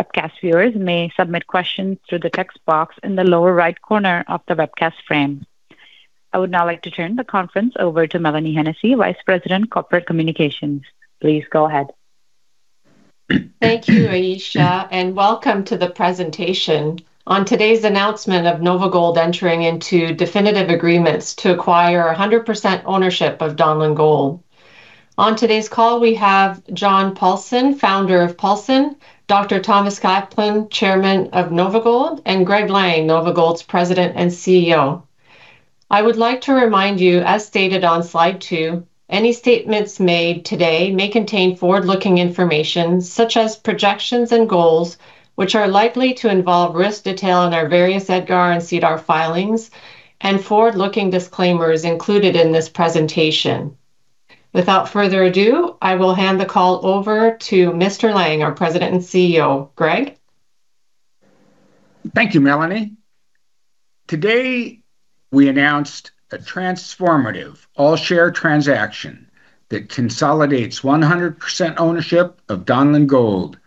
Webcast viewers may submit questions through the text box in the lower right corner of the webcast frame. I would now like to turn the conference over to Mélanie Hennessey, Vice President, Corporate Communications. Please go ahead. Thank you, Aisha. Welcome to the presentation on today's announcement of NOVAGOLD entering into definitive agreements to acquire 100% ownership of Donlin Gold. On today's call, we have John Paulson, Founder of Paulson, Dr. Thomas Kaplan, Chairman of NOVAGOLD, and Greg Lang, NOVAGOLD's President and CEO. I would like to remind you, as stated on slide two, any statements made today may contain forward-looking information, such as projections and goals, which are likely to involve risk detail in our various EDGAR and SEDAR filings and forward-looking disclaimers included in this presentation. Without further ado, I will hand the call over to Mr. Lang, our President and CEO. Greg? Thank you, Mélanie. Today, we announced a transformative all-share transaction that consolidates 100% ownership of Donlin Gold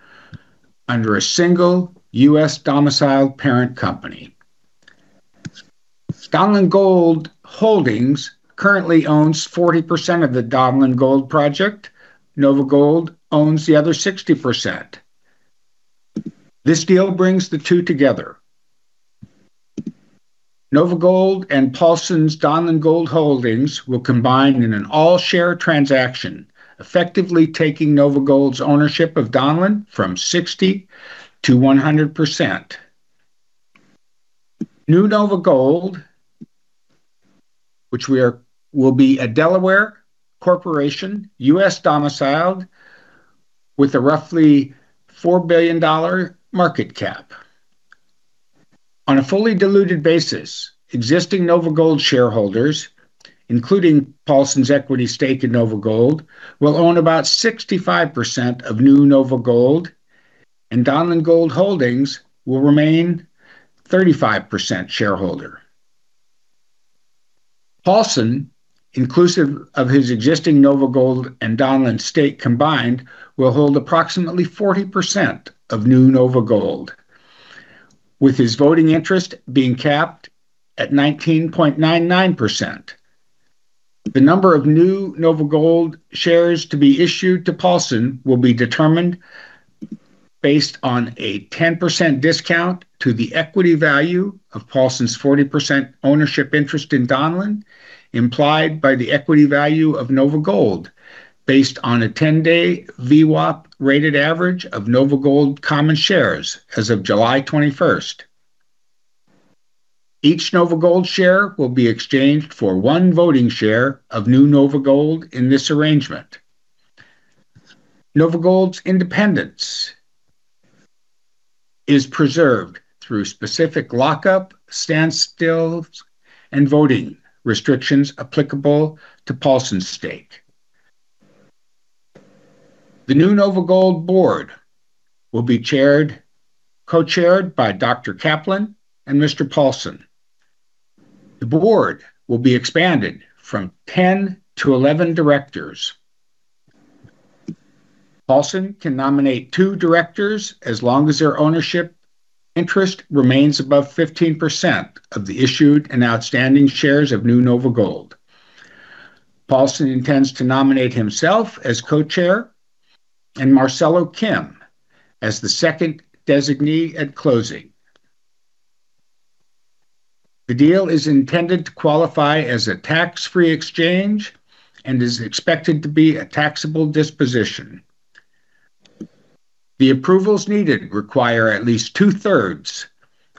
under a single U.S.-domiciled parent company. Donlin Gold Holdings currently owns 40% of the Donlin Gold project. NOVAGOLD owns the other 60%. This deal brings the two together. NOVAGOLD and Paulson's Donlin Gold Holdings will combine in an all-share transaction, effectively taking NOVAGOLD's ownership of Donlin from 60%-100%. New NovaGold, which will be a Delaware corporation, U.S.-domiciled, with a roughly $4 billion market cap. On a fully diluted basis, existing NOVAGOLD shareholders, including Paulson's equity stake in NOVAGOLD, will own about 65% of New NovaGold, and Donlin Gold Holdings will remain 35% shareholder. Paulson, inclusive of his existing NOVAGOLD and Donlin stake combined, will hold approximately 40% of New NovaGold, with his voting interest being capped at 19.99%. The number of New NovaGold shares to be issued to Paulson will be determined based on a 10% discount to the equity value of Paulson's 40% ownership interest in Donlin, implied by the equity value of NOVAGOLD, based on a 10-day VWAP rated average of NOVAGOLD common shares as of July 21st. Each NOVAGOLD share will be exchanged for one voting share of New NovaGold in this arrangement. NOVAGOLD's independence is preserved through specific lock-up, standstills, and voting restrictions applicable to Paulson's stake. The New NovaGold board will be Co-Chaired by Dr. Kaplan and Mr. Paulson. The board will be expanded from 10-11 directors. Paulson can nominate two directors as long as their ownership interest remains above 15% of the issued and outstanding shares of New NovaGold. Paulson intends to nominate himself as Co-Chair and Marcelo Kim as the second designee at closing. The deal is intended to qualify as a tax-free exchange and is expected to be a taxable disposition. The approvals needed require at least two-thirds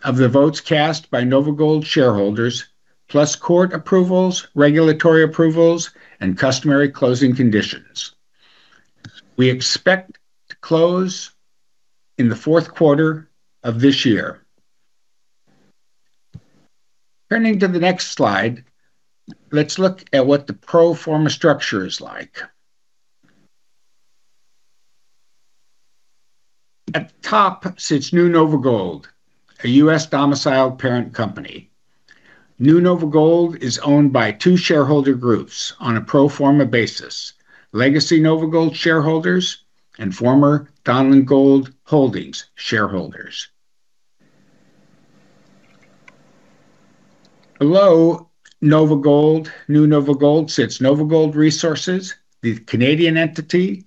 of the votes cast by NOVAGOLD shareholders, plus court approvals, regulatory approvals, and customary closing conditions. We expect to close in the fourth quarter of this year. Turning to the next slide, let's look at what the pro forma structure is like. At the top sits New NovaGold, a U.S.-domiciled parent company. New NovaGold is owned by two shareholder groups on a pro forma basis, legacy NOVAGOLD shareholders and former Donlin Gold Holdings shareholders. Below New NovaGold sits NOVAGOLD Resources, the Canadian entity,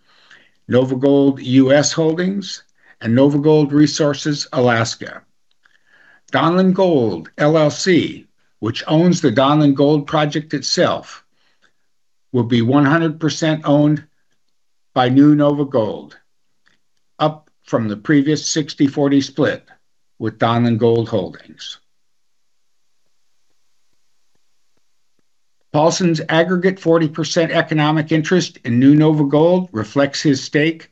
NOVAGOLD U.S. Holdings, and NOVAGOLD Resources Alaska. Donlin Gold LLC, which owns the Donlin Gold project itself, will be 100% owned by New NovaGold, up from the previous 60/40 split with Donlin Gold Holdings. Paulson's aggregate 40% economic interest in New NovaGold reflects his stake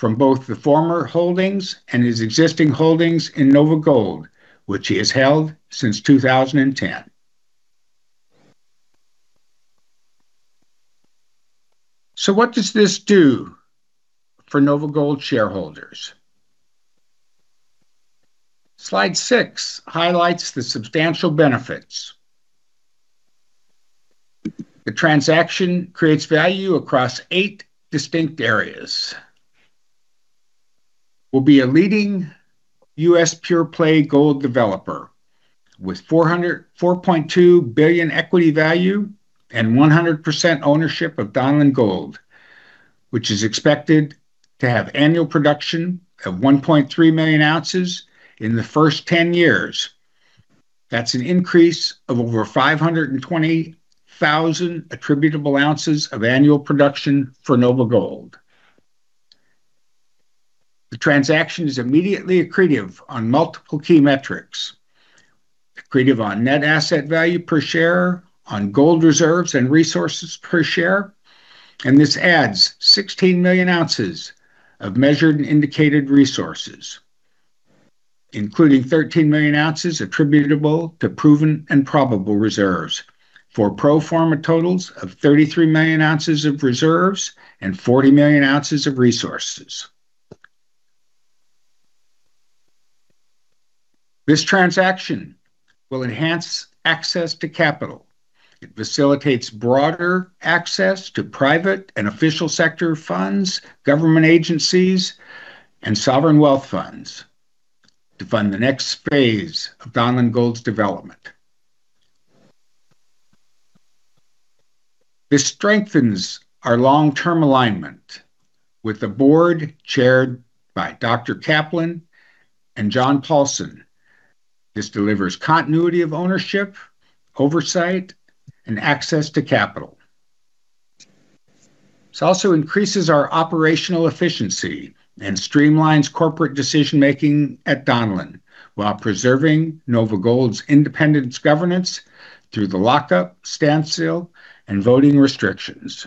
from both the former holdings and his existing holdings in NOVAGOLD, which he has held since 2010. What does this do for NOVAGOLD shareholders? Slide six highlights the substantial benefits. The transaction creates value across eight distinct areas. We'll be a leading U.S. pure-play gold developer with $4.2 billion equity value and 100% ownership of Donlin Gold, which is expected to have annual production of 1.3 million ounces in the first 10 years. That's an increase of over 520,000 attributable ounces of annual production for NOVAGOLD. The transaction is immediately accretive on multiple key metrics. Accretive on net asset value per share, on gold reserves and resources per share. This adds 16 million ounces of measured and indicated resources, including 13 million ounces attributable to proven and probable reserves for pro forma totals of 33 million ounces of reserves and 40 million ounces of resources. This transaction will enhance access to capital. It facilitates broader access to private and official sector funds, government agencies, and sovereign wealth funds to fund the next phase of Donlin Gold's development. This strengthens our long-term alignment with the board chaired by Dr. Kaplan and John Paulson. This delivers continuity of ownership, oversight, and access to capital. This also increases our operational efficiency and streamlines corporate decision-making at Donlin while preserving NOVAGOLD's independent governance through the lock-up, standstill, and voting restrictions.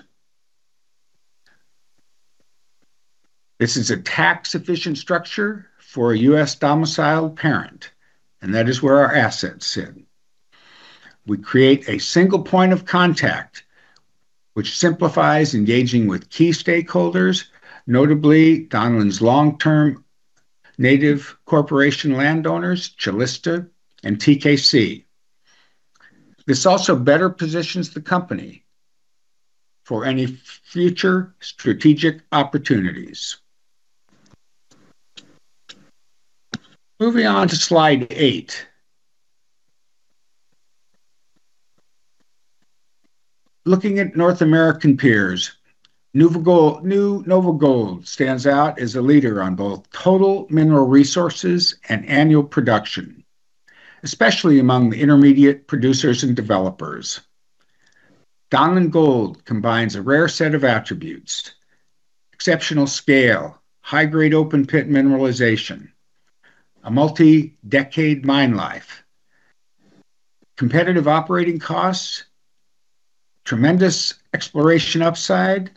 This is a tax-efficient structure for a U.S.-domiciled parent, and that is where our assets sit. We create a single point of contact, which simplifies engaging with key stakeholders, notably Donlin's long-term Native corporation landowners, Calista and TKC. This also better positions the company for any future strategic opportunities. Moving on to slide eight. Looking at North American peers, New NovaGold stands out as a leader on both total mineral resources and annual production, especially among the intermediate producers and developers. Donlin Gold combines a rare set of attributes, exceptional scale, high-grade open pit mineralization, a multi-decade mine life, competitive operating costs, tremendous exploration upside,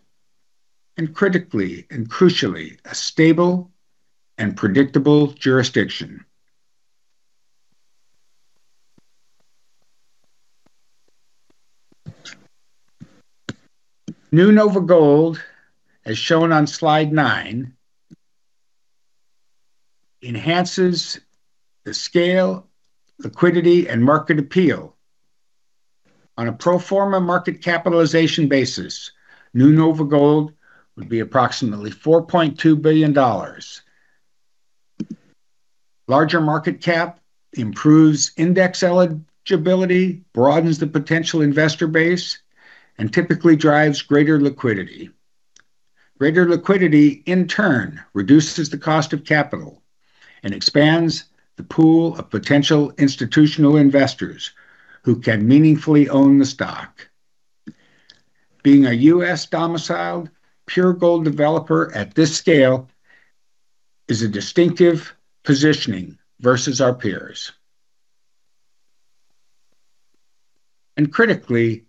and crucially, a stable and predictable jurisdiction. New NovaGold, as shown on slide nine, enhances the scale, liquidity, and market appeal. On a pro forma market capitalization basis, New NovaGold would be approximately $4.2 billion. Larger market cap improves index eligibility, broadens the potential investor base, and typically drives greater liquidity. Greater liquidity in turn reduces the cost of capital and expands the pool of potential institutional investors who can meaningfully own the stock. Being a U.S.-domiciled pure gold developer at this scale is a distinctive positioning versus our peers. Critically,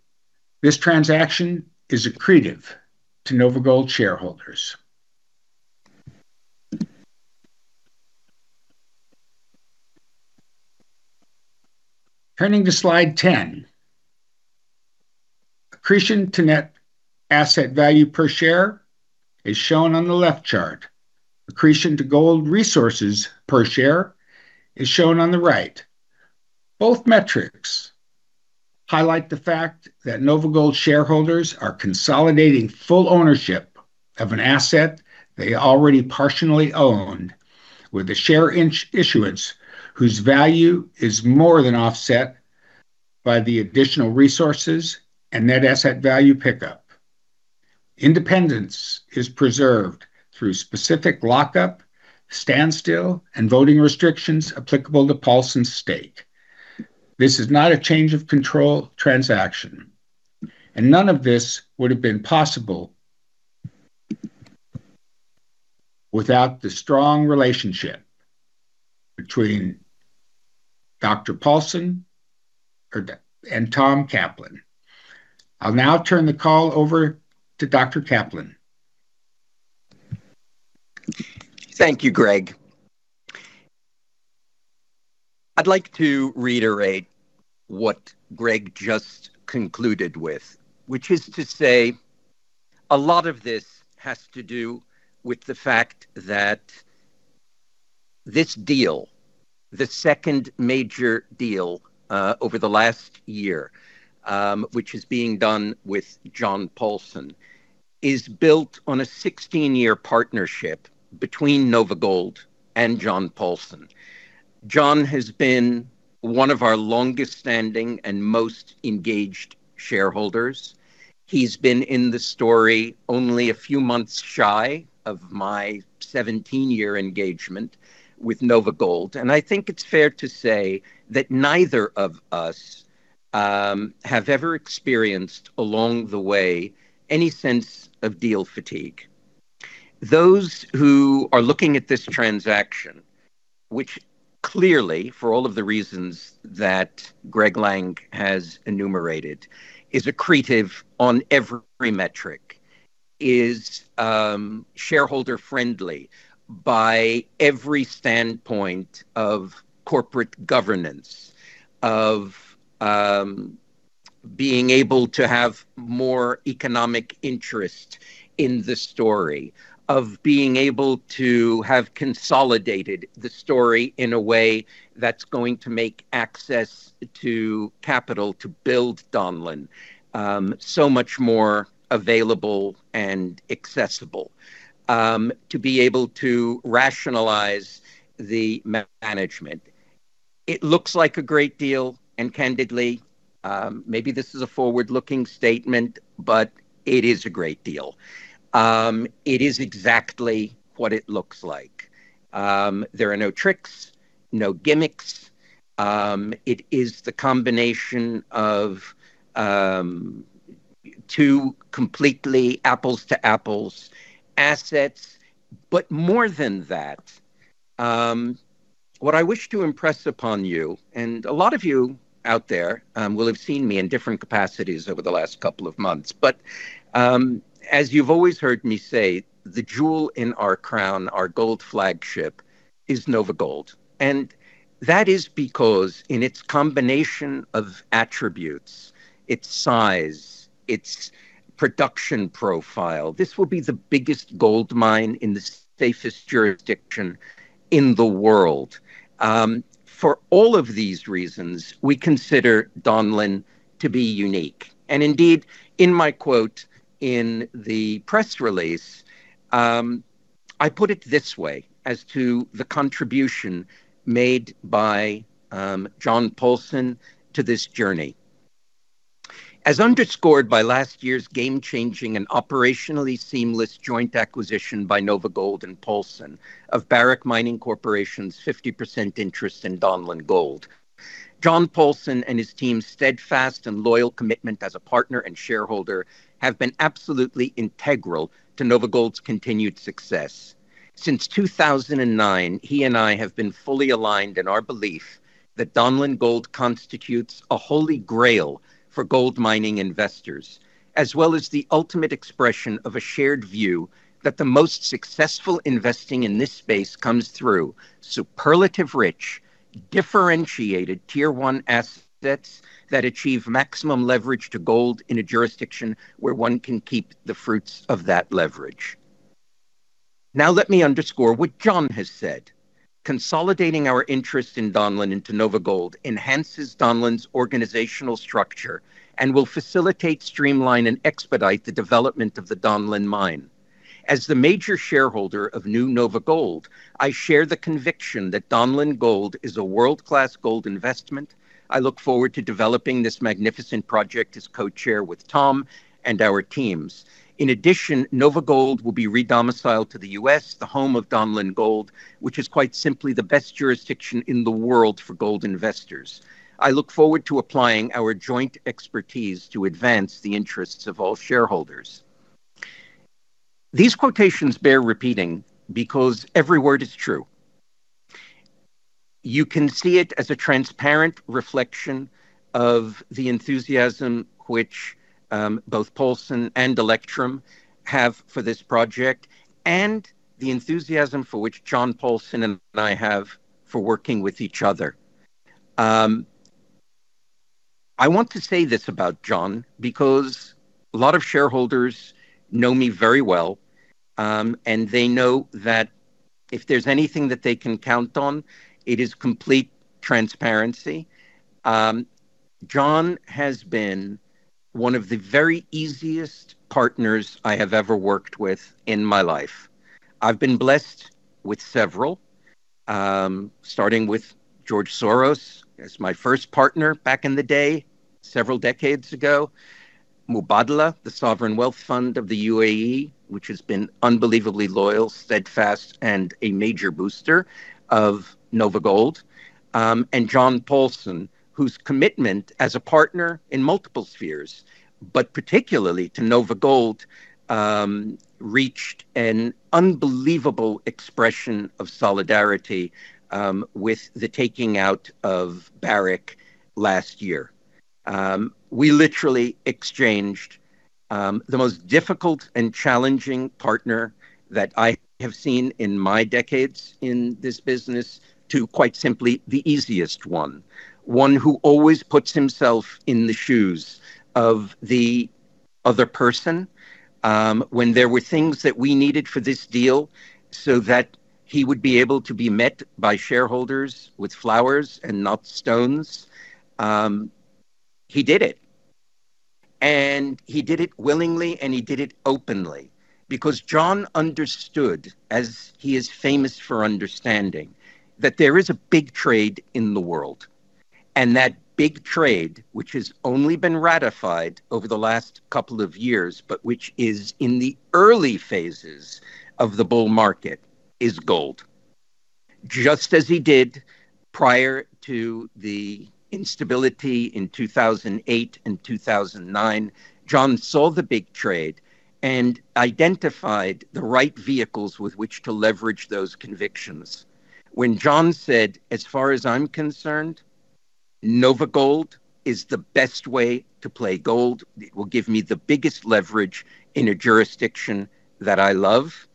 this transaction is accretive to NOVAGOLD shareholders. Turning to slide 10. Accretion to net asset value per share is shown on the left chart. Accretion to gold resources per share is shown on the right. Both metrics highlight the fact that NOVAGOLD shareholders are consolidating full ownership of an asset they already partially owned with a share issuance whose value is more than offset by the additional resources and net asset value pickup. Independence is preserved through specific lock-up, standstill, and voting restrictions applicable to Paulson's stake. This is not a change of control transaction. None of this would have been possible without the strong relationship between Dr. Paulson and Tom Kaplan. I'll now turn the call over to Dr. Kaplan. Thank you, Greg. I'd like to reiterate what Greg just concluded with, which is to say a lot of this has to do with the fact that this deal, the second major deal over the last year, which is being done with John Paulson, is built on a 16-year partnership between NOVAGOLD and John Paulson. John has been one of our longest-standing and most engaged shareholders. He's been in the story only a few months shy of my 17-year engagement with NOVAGOLD. I think it's fair to say that neither of us have ever experienced along the way any sense of deal fatigue. Those who are looking at this transaction, which clearly, for all of the reasons that Greg Lang has enumerated, is accretive on every metric, is shareholder-friendly by every standpoint of corporate governance, of being able to have more economic interest in the story, of being able to have consolidated the story in a way that's going to make access to capital to build Donlin so much more available and accessible, to be able to rationalize the management. It looks like a great deal. Candidly, maybe this is a forward-looking statement, it is a great deal. It is exactly what it looks like. There are no tricks, no gimmicks. It is the combination of two completely apples to apples assets. More than that, what I wish to impress upon you, a lot of you out there will have seen me in different capacities over the last couple of months, as you've always heard me say, the jewel in our crown, our gold flagship, is NOVAGOLD. That is because in its combination of attributes, its size, its production profile, this will be the biggest gold mine in the safest jurisdiction in the world. For all of these reasons, we consider Donlin to be unique. Indeed, in my quote in the press release, I put it this way as to the contribution made by John Paulson to this journey. As underscored by last year's game-changing and operationally seamless joint acquisition by NOVAGOLD and Paulson of Barrick Mining Corporation's 50% interest in Donlin Gold, John Paulson and his team's steadfast and loyal commitment as a partner and shareholder have been absolutely integral to NOVAGOLD's continued success. Since 2009, he and I have been fully aligned in our belief that Donlin Gold constitutes a holy grail for gold mining investors, as well as the ultimate expression of a shared view that the most successful investing in this space comes through superlative rich, differentiated Tier 1 assets that achieve maximum leverage to gold in a jurisdiction where one can keep the fruits of that leverage." Let me underscore what John has said. "Consolidating our interest in Donlin into NOVAGOLD enhances Donlin's organizational structure and will facilitate, streamline, and expedite the development of the Donlin mine. As the major shareholder of New NovaGold, I share the conviction that Donlin Gold is a world-class gold investment. I look forward to developing this magnificent project as co-chair with Tom and our teams. In addition, NOVAGOLD will be re-domiciled to the U.S., the home of Donlin Gold, which is quite simply the best jurisdiction in the world for gold investors. I look forward to applying our joint expertise to advance the interests of all shareholders." These quotations bear repeating because every word is true. You can see it as a transparent reflection of the enthusiasm which both Paulson and Electrum have for this project, and the enthusiasm for which John Paulson and I have for working with each other. I want to say this about John because a lot of shareholders know me very well, they know that if there's anything that they can count on, it is complete transparency. John has been one of the very easiest partners I have ever worked with in my life. I've been blessed with several, starting with George Soros as my first partner back in the day, several decades ago. Mubadala, the sovereign wealth fund of the UAE, which has been unbelievably loyal, steadfast, and a major booster of NOVAGOLD. John Paulson, whose commitment as a partner in multiple spheres, but particularly to NOVAGOLD, reached an unbelievable expression of solidarity with the taking out of Barrick last year. We literally exchanged the most difficult and challenging partner that I have seen in my decades in this business to quite simply the easiest one. One who always puts himself in the shoes of the other person. When there were things that we needed for this deal so that he would be able to be met by shareholders with flowers and not stones, he did it. He did it willingly, he did it openly because John understood, as he is famous for understanding, that there is a big trade in the world. That big trade, which has only been ratified over the last couple of years, but which is in the early phases of the bull market, is gold. Just as he did prior to the instability in 2008 and 2009, John saw the big trade and identified the right vehicles with which to leverage those convictions. When John said, "As far as I'm concerned, NOVAGOLD is the best way to play gold. It will give me the biggest leverage in a jurisdiction that I love,"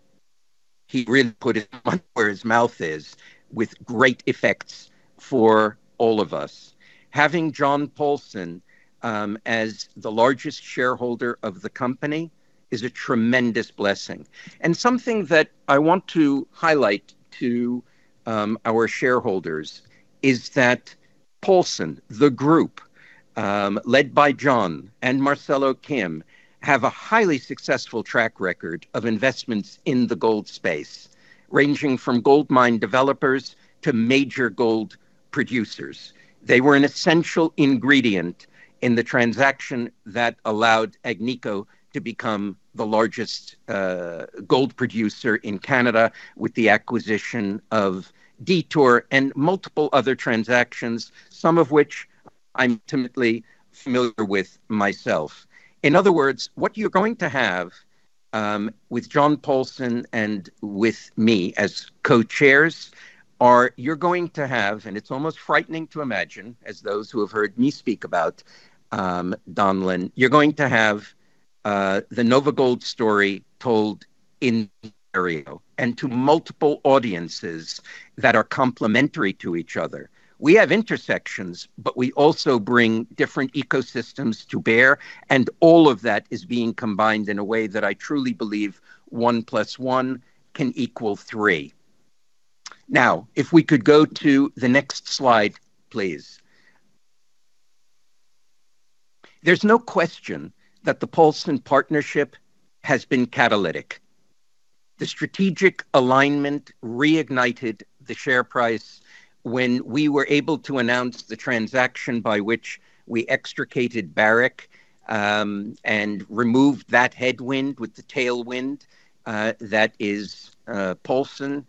he really put his money where his mouth is with great effects for all of us. Having John Paulson as the largest shareholder of the company is a tremendous blessing. Something that I want to highlight to our shareholders is that Paulson, the group led by John and Marcelo Kim, have a highly successful track record of investments in the gold space, ranging from gold mine developers to major gold producers. They were an essential ingredient in the transaction that allowed Agnico to become the largest gold producer in Canada with the acquisition of Detour and multiple other transactions, some of which I'm intimately familiar with myself. In other words, what you're going to have with John Paulson and with me as co-chairs are you're going to have, it's almost frightening to imagine, as those who have heard me speak about Donlin, you're going to have the NOVAGOLD story told in stereo and to multiple audiences that are complementary to each other. We have intersections, but we also bring different ecosystems to bear, and all of that is being combined in a way that I truly believe one plus one can equal three. If we could go to the next slide, please. There's no question that the Paulson partnership has been catalytic. The strategic alignment reignited the share price when we were able to announce the transaction by which we extricated Barrick and removed that headwind with the tailwind that is Paulson.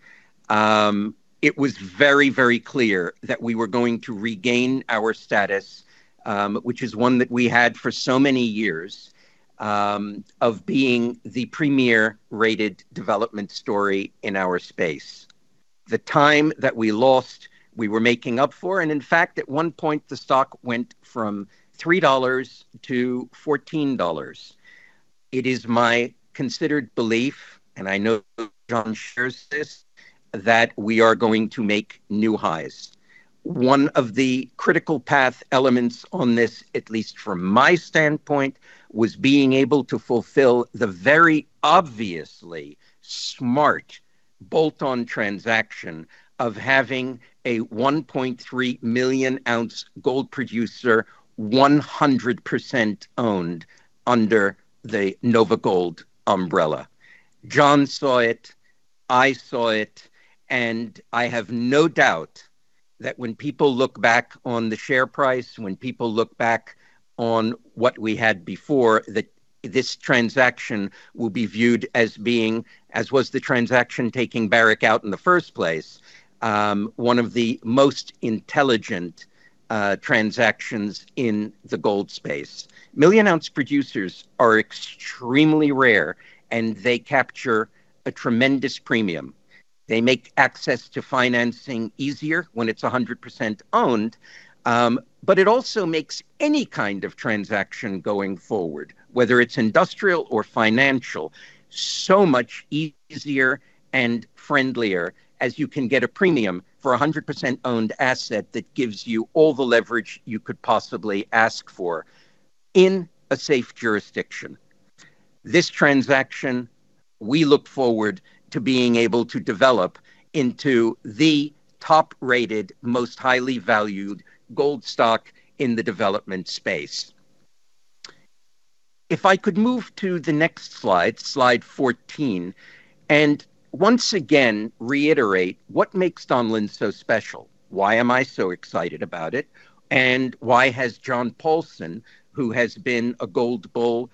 It was very, very clear that we were going to regain our status, which is one that we had for so many years of being the premier-rated development story in our space. The time that we lost, we were making up for, in fact, at one point, the stock went from $3 to $14. It is my considered belief, and I know John shares this, that we are going to make new highs. One of the critical path elements on this, at least from my standpoint, was being able to fulfill the very obviously smart bolt-on transaction of having a 1.3-million-ounce gold producer 100% owned under the NOVAGOLD umbrella. John saw it, I saw it, I have no doubt that when people look back on the share price, when people look back on what we had before, that this transaction will be viewed as being, as was the transaction taking Barrick out in the first place, one of the most intelligent transactions in the gold space. Million-ounce producers are extremely rare, they capture a tremendous premium. They make access to financing easier when it's 100% owned, it also makes any kind of transaction going forward, whether it's industrial or financial, so much easier and friendlier as you can get a premium for 100% owned asset that gives you all the leverage you could possibly ask for in a safe jurisdiction. This transaction, we look forward to being able to develop into the top-rated, most highly valued gold stock in the development space. If I could move to the next slide 14, once again reiterate what makes Donlin so special. Why am I so excited about it? Why has John Paulson, who has been a gold bull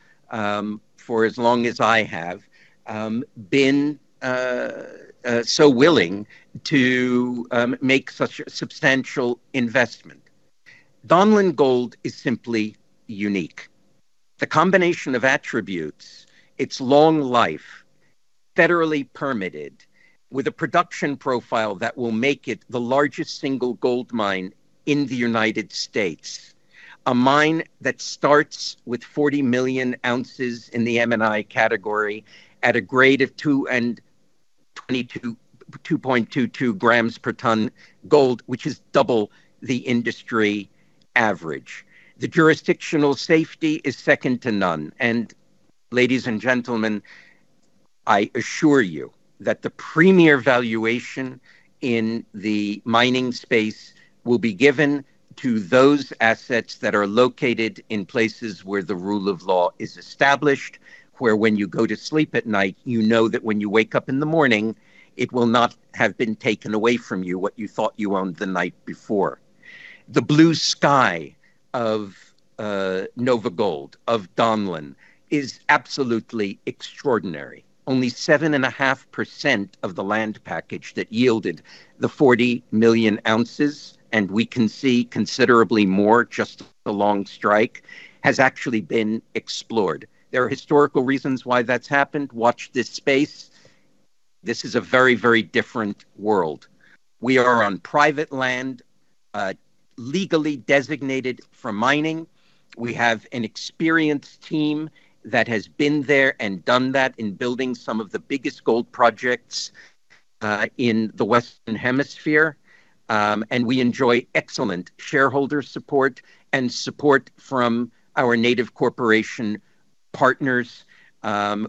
for as long as I have, been so willing to make such a substantial investment? Donlin Gold is simply unique. The combination of attributes, its long life, federally permitted, with a production profile that will make it the largest single gold mine in the United States. A mine that starts with 40 million ounces in the M&I category at a grade of 2.22 g per ton gold, which is double the industry average. The jurisdictional safety is second to none. Ladies and gentlemen, I assure you that the premier valuation in the mining space will be given to those assets that are located in places where the rule of law is established, where when you go to sleep at night, you know that when you wake up in the morning, it will not have been taken away from you what you thought you owned the night before. The blue sky of NOVAGOLD, of Donlin, is absolutely extraordinary. Only 7.5% of the land package that yielded the 40 million ounces, we can see considerably more just along strike, has actually been explored. There are historical reasons why that's happened. Watch this space. This is a very different world. We are on private land, legally designated for mining. We have an experienced team that has been there and done that in building some of the biggest gold projects in the Western Hemisphere. We enjoy excellent shareholder support and support from our native corporation partners,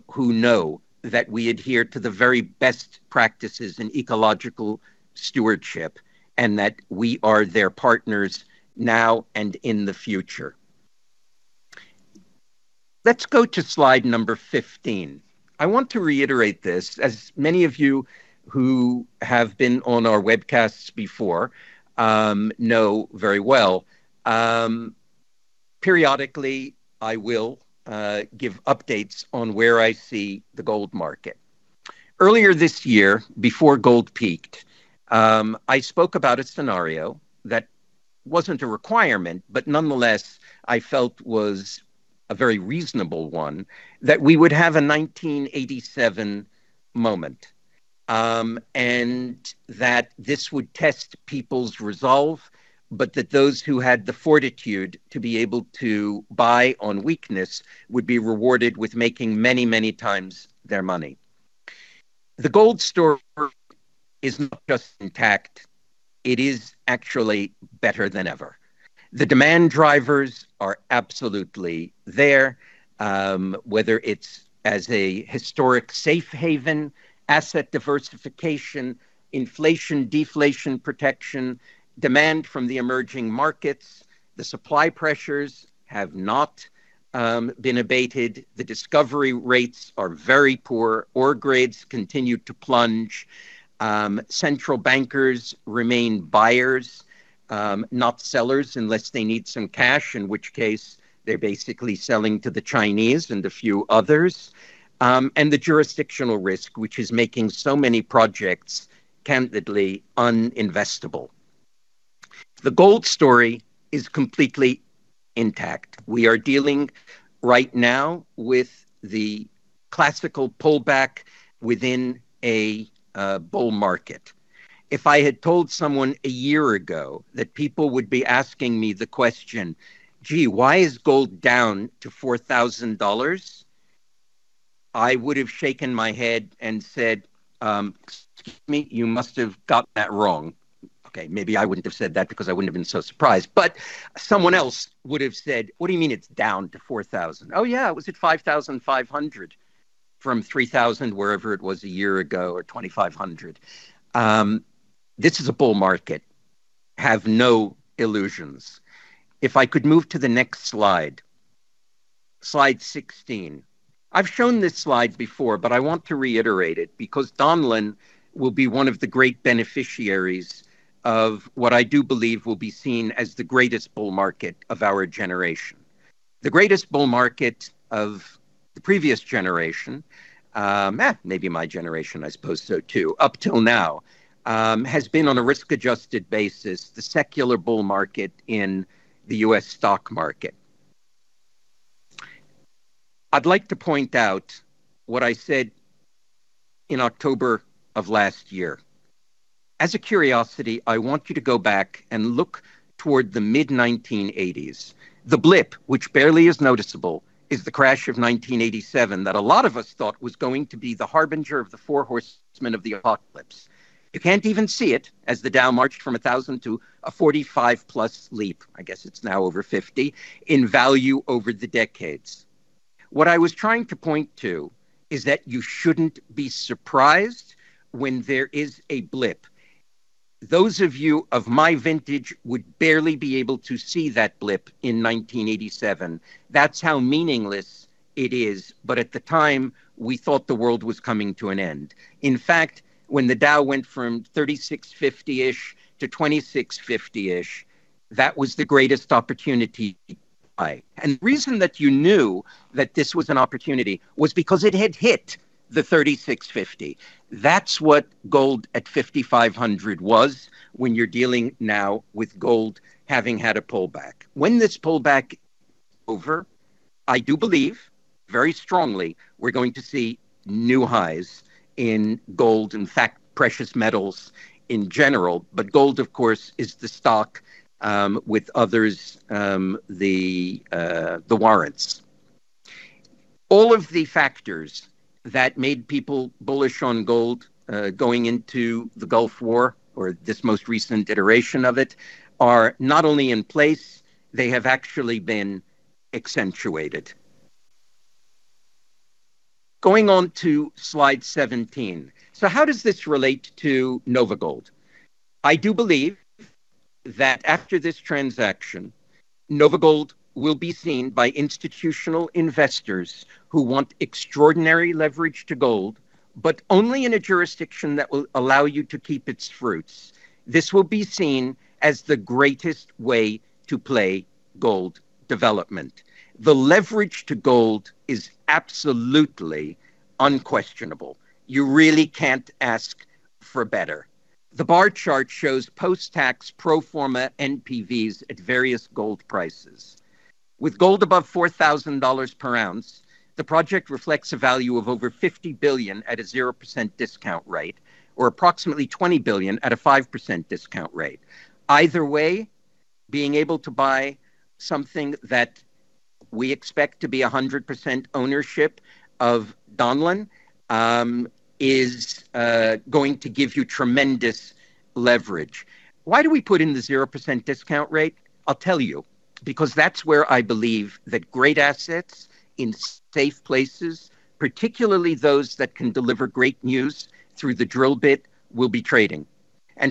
who know that we adhere to the very best practices in ecological stewardship, that we are their partners now and in the future. Let's go to slide number 15. I want to reiterate this. As many of you who have been on our webcasts before know very well, periodically I will give updates on where I see the gold market. Earlier this year, before gold peaked, I spoke about a scenario that wasn't a requirement, but nonetheless, I felt was a very reasonable one, that we would have a 1987 moment. That this would test people's resolve, but that those who had the fortitude to be able to buy on weakness would be rewarded with making many times their money. The gold story is not just intact, it is actually better than ever. The demand drivers are absolutely there, whether it is as a historic safe haven, asset diversification, inflation/deflation protection, demand from the emerging markets. The supply pressures have not been abated. The discovery rates are very poor. Ore grades continue to plunge. Central bankers remain buyers, not sellers, unless they need some cash, in which case, they are basically selling to the Chinese and a few others. The jurisdictional risk, which is making so many projects candidly un-investable. The gold story is completely intact. We are dealing right now with the classical pullback within a bull market. If I had told someone a year ago that people would be asking me the question, "Gee, why is gold down to $4,000?" I would have shaken my head and said, "Excuse me, you must have got that wrong." Maybe I wouldn't have said that because I wouldn't have been so surprised. Someone else would have said, "What do you mean it's down to 4,000?" It was at 5,500 from 3,000 wherever it was a year ago, or 2,500. This is a bull market. Have no illusions. If I could move to the next slide. Slide 16. I have shown this slide before, but I want to reiterate it because Donlin will be one of the great beneficiaries of what I do believe will be seen as the greatest bull market of our generation. The greatest bull market of the previous generation, maybe my generation, I suppose so too, up till now, has been on a risk-adjusted basis, the secular bull market in the U.S. stock market. I would like to point out what I said in October of last year. As a curiosity, I want you to go back and look toward the mid-1980s. The blip, which barely is noticeable, is the crash of 1987 that a lot of us thought was going to be the harbinger of the Four Horsemen of the Apocalypse. You can't even see it as the Dow marched from 1,000 to a 45+ leap, I guess it's now over 50, in value over the decades. What I was trying to point to is that you shouldn't be surprised when there is a blip. Those of you of my vintage would barely be able to see that blip in 1987. That's how meaningless it is. At the time, we thought the world was coming to an end. In fact, when the Dow went from 3,650-ish to 2,650-ish, that was the greatest opportunity to buy. The reason that you knew that this was an opportunity was because it had hit the 3,650. That's what gold at 5,500 was when you're dealing now with gold having had a pullback. When this pullback is over, I do believe, very strongly, we are going to see new highs in gold. In fact, precious metals in general. Gold, of course, is the stock with others, the warrants. All of the factors that made people bullish on gold going into the Gulf War, or this most recent iteration of it, are not only in place, they have actually been accentuated. Going on to slide 17. How does this relate to NOVAGOLD? I do believe that after this transaction, NOVAGOLD will be seen by institutional investors who want extraordinary leverage to gold, but only in a jurisdiction that will allow you to keep its fruits. This will be seen as the greatest way to play gold development. The leverage to gold is absolutely unquestionable. You really can't ask for better. The bar chart shows post-tax pro forma NPVs at various gold prices. With gold above $4,000 per ounce, the project reflects a value of over $50 billion at a 0% discount rate, or approximately $20 billion at a 5% discount rate. Either way, being able to buy something that we expect to be 100% ownership of Donlin is going to give you tremendous leverage. Why do we put in the 0% discount rate? I'll tell you. Because that's where I believe that great assets in safe places, particularly those that can deliver great news through the drill bit, will be trading.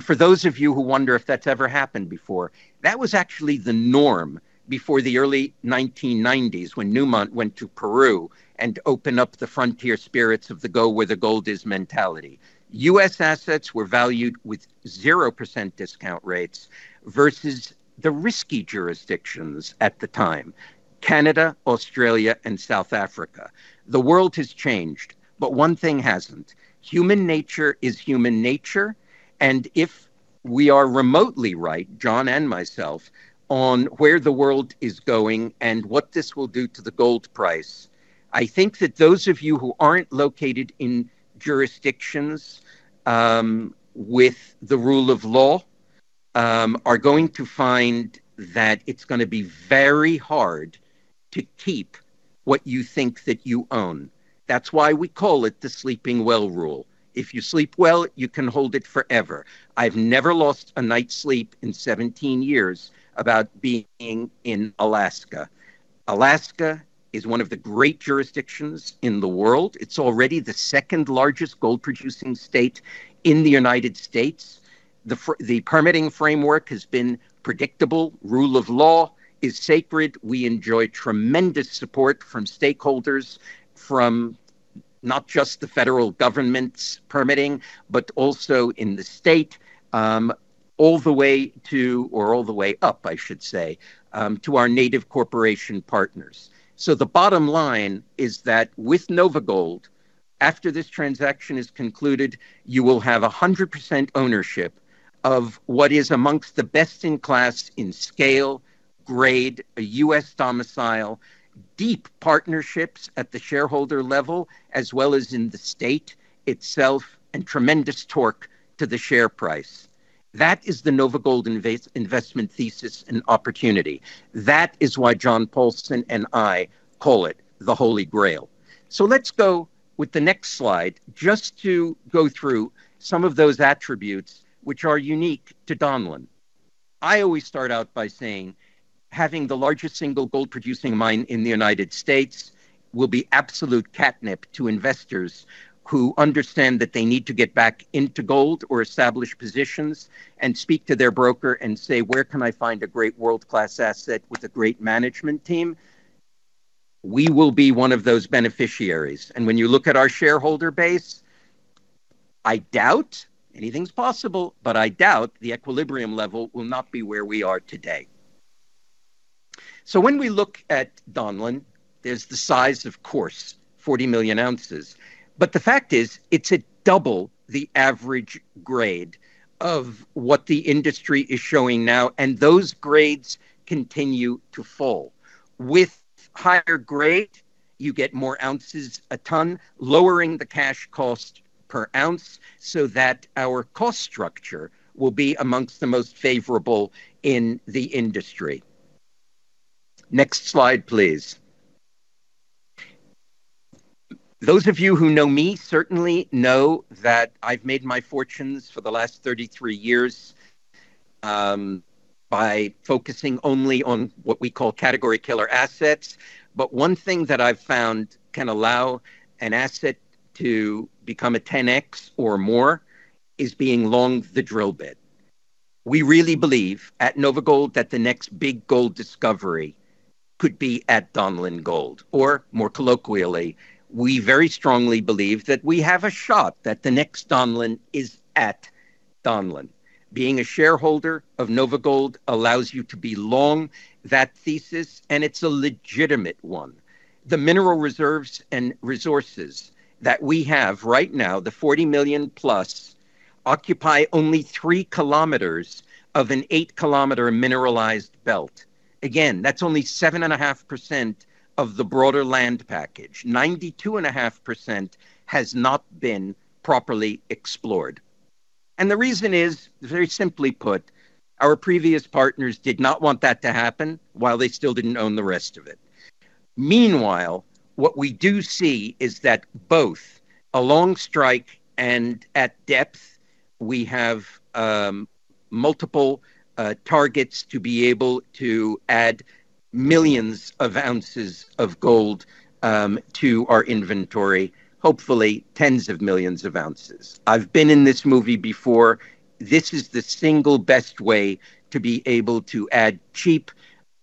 For those of you who wonder if that's ever happened before, that was actually the norm before the early 1990s, when Newmont went to Peru and opened up the frontier spirits of the go where the gold is mentality. U.S. assets were valued with 0% discount rates versus the risky jurisdictions at the time, Canada, Australia, and South Africa. The world has changed, one thing hasn't. Human nature is human nature. If we are remotely right, John and myself, on where the world is going and what this will do to the gold price, I think that those of you who aren't located in jurisdictions with the rule of law are going to find that it's going to be very hard to keep what you think that you own. That's why we call it the sleeping well rule. If you sleep well, you can hold it forever. I've never lost a night's sleep in 17 years about being in Alaska. Alaska is one of the great jurisdictions in the world. It's already the second-largest gold-producing state in the United States. The permitting framework has been predictable. Rule of law is sacred. We enjoy tremendous support from stakeholders, from not just the federal government's permitting, but also in the state all the way to, or all the way up, I should say, to our native corporation partners. The bottom line is that with NOVAGOLD, after this transaction is concluded, you will have 100% ownership of what is amongst the best in class in scale, grade, a U.S. domicile, deep partnerships at the shareholder level, as well as in the state itself, and tremendous torque to the share price. That is the NOVAGOLD investment thesis and opportunity. That is why John Paulson and I call it the Holy Grail. Let's go with the next slide just to go through some of those attributes which are unique to Donlin. I always start out by saying having the largest single gold-producing mine in the U.S. will be absolute catnip to investors who understand that they need to get back into gold or establish positions and speak to their broker and say, "Where can I find a great world-class asset with a great management team?" We will be one of those beneficiaries. When you look at our shareholder base, I doubt, anything's possible, but I doubt the equilibrium level will not be where we are today. When we look at Donlin, there's the size, of course, 40 million ounces. The fact is, it's at double the average grade of what the industry is showing now, and those grades continue to fall. With higher grade, you get more ounces a ton, lowering the cash cost per ounce, so that our cost structure will be amongst the most favorable in the industry. Next slide, please. Those of you who know me certainly know that I've made my fortunes for the last 33 years by focusing only on what we call category killer assets. One thing that I've found can allow an asset to become a 10x or more is being long the drill bit. We really believe at NOVAGOLD that the next big gold discovery could be at Donlin Gold. More colloquially, we very strongly believe that we have a shot that the next Donlin is at Donlin. Being a shareholder of NOVAGOLD allows you to be long that thesis, and it's a legitimate one. The mineral reserves and resources that we have right now, the 40 million-plus, occupy only 3 kilometers of an 8-kilometer mineralized belt. Again, that's only 7.5% of the broader land package. 92.5% has not been properly explored. The reason is very simply put, our previous partners did not want that to happen while they still didn't own the rest of it. Meanwhile, what we do see is that both along strike and at depth, we have multiple targets to be able to add millions of ounces of gold to our inventory, hopefully tens of millions of ounces. I've been in this movie before. This is the single best way to be able to add cheap,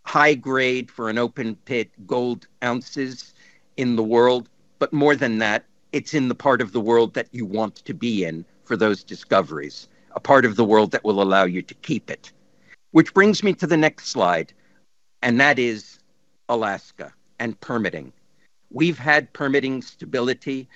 high grade for an open pit gold ounces in the world. More than that, it's in the part of the world that you want to be in for those discoveries, a part of the world that will allow you to keep it. Which brings me to the next slide, and that is Alaska and permitting. We've had permitting stability.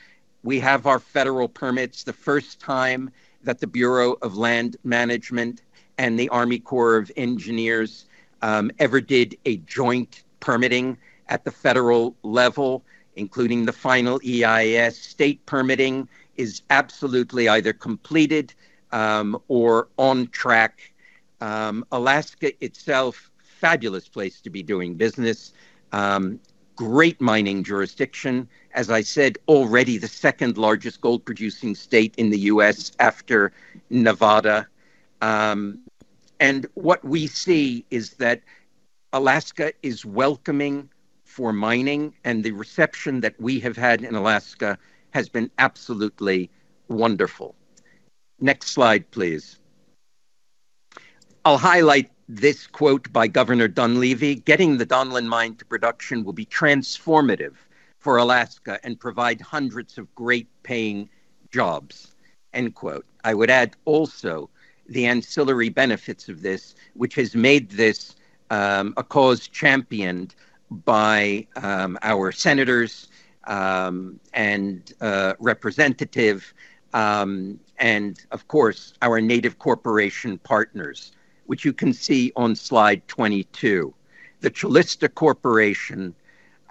We have our federal permits, the first time that the Bureau of Land Management and the U.S. Army Corps of Engineers ever did a joint permitting at the federal level, including the final EIS. State permitting is absolutely either completed or on track. Alaska itself, fabulous place to be doing business. Great mining jurisdiction. As I said, already the second largest gold producing state in the U.S. after Nevada. What we see is that Alaska is welcoming for mining and the reception that we have had in Alaska has been absolutely wonderful. Next slide, please. I'll highlight this quote by Governor Dunleavy, "Getting the Donlin Mine to production will be transformative for Alaska and provide hundreds of great paying jobs." End quote. I would add also the ancillary benefits of this, which has made this a cause championed by our senators and representative, and of course, our native corporation partners, which you can see on slide 22. The Calista Corporation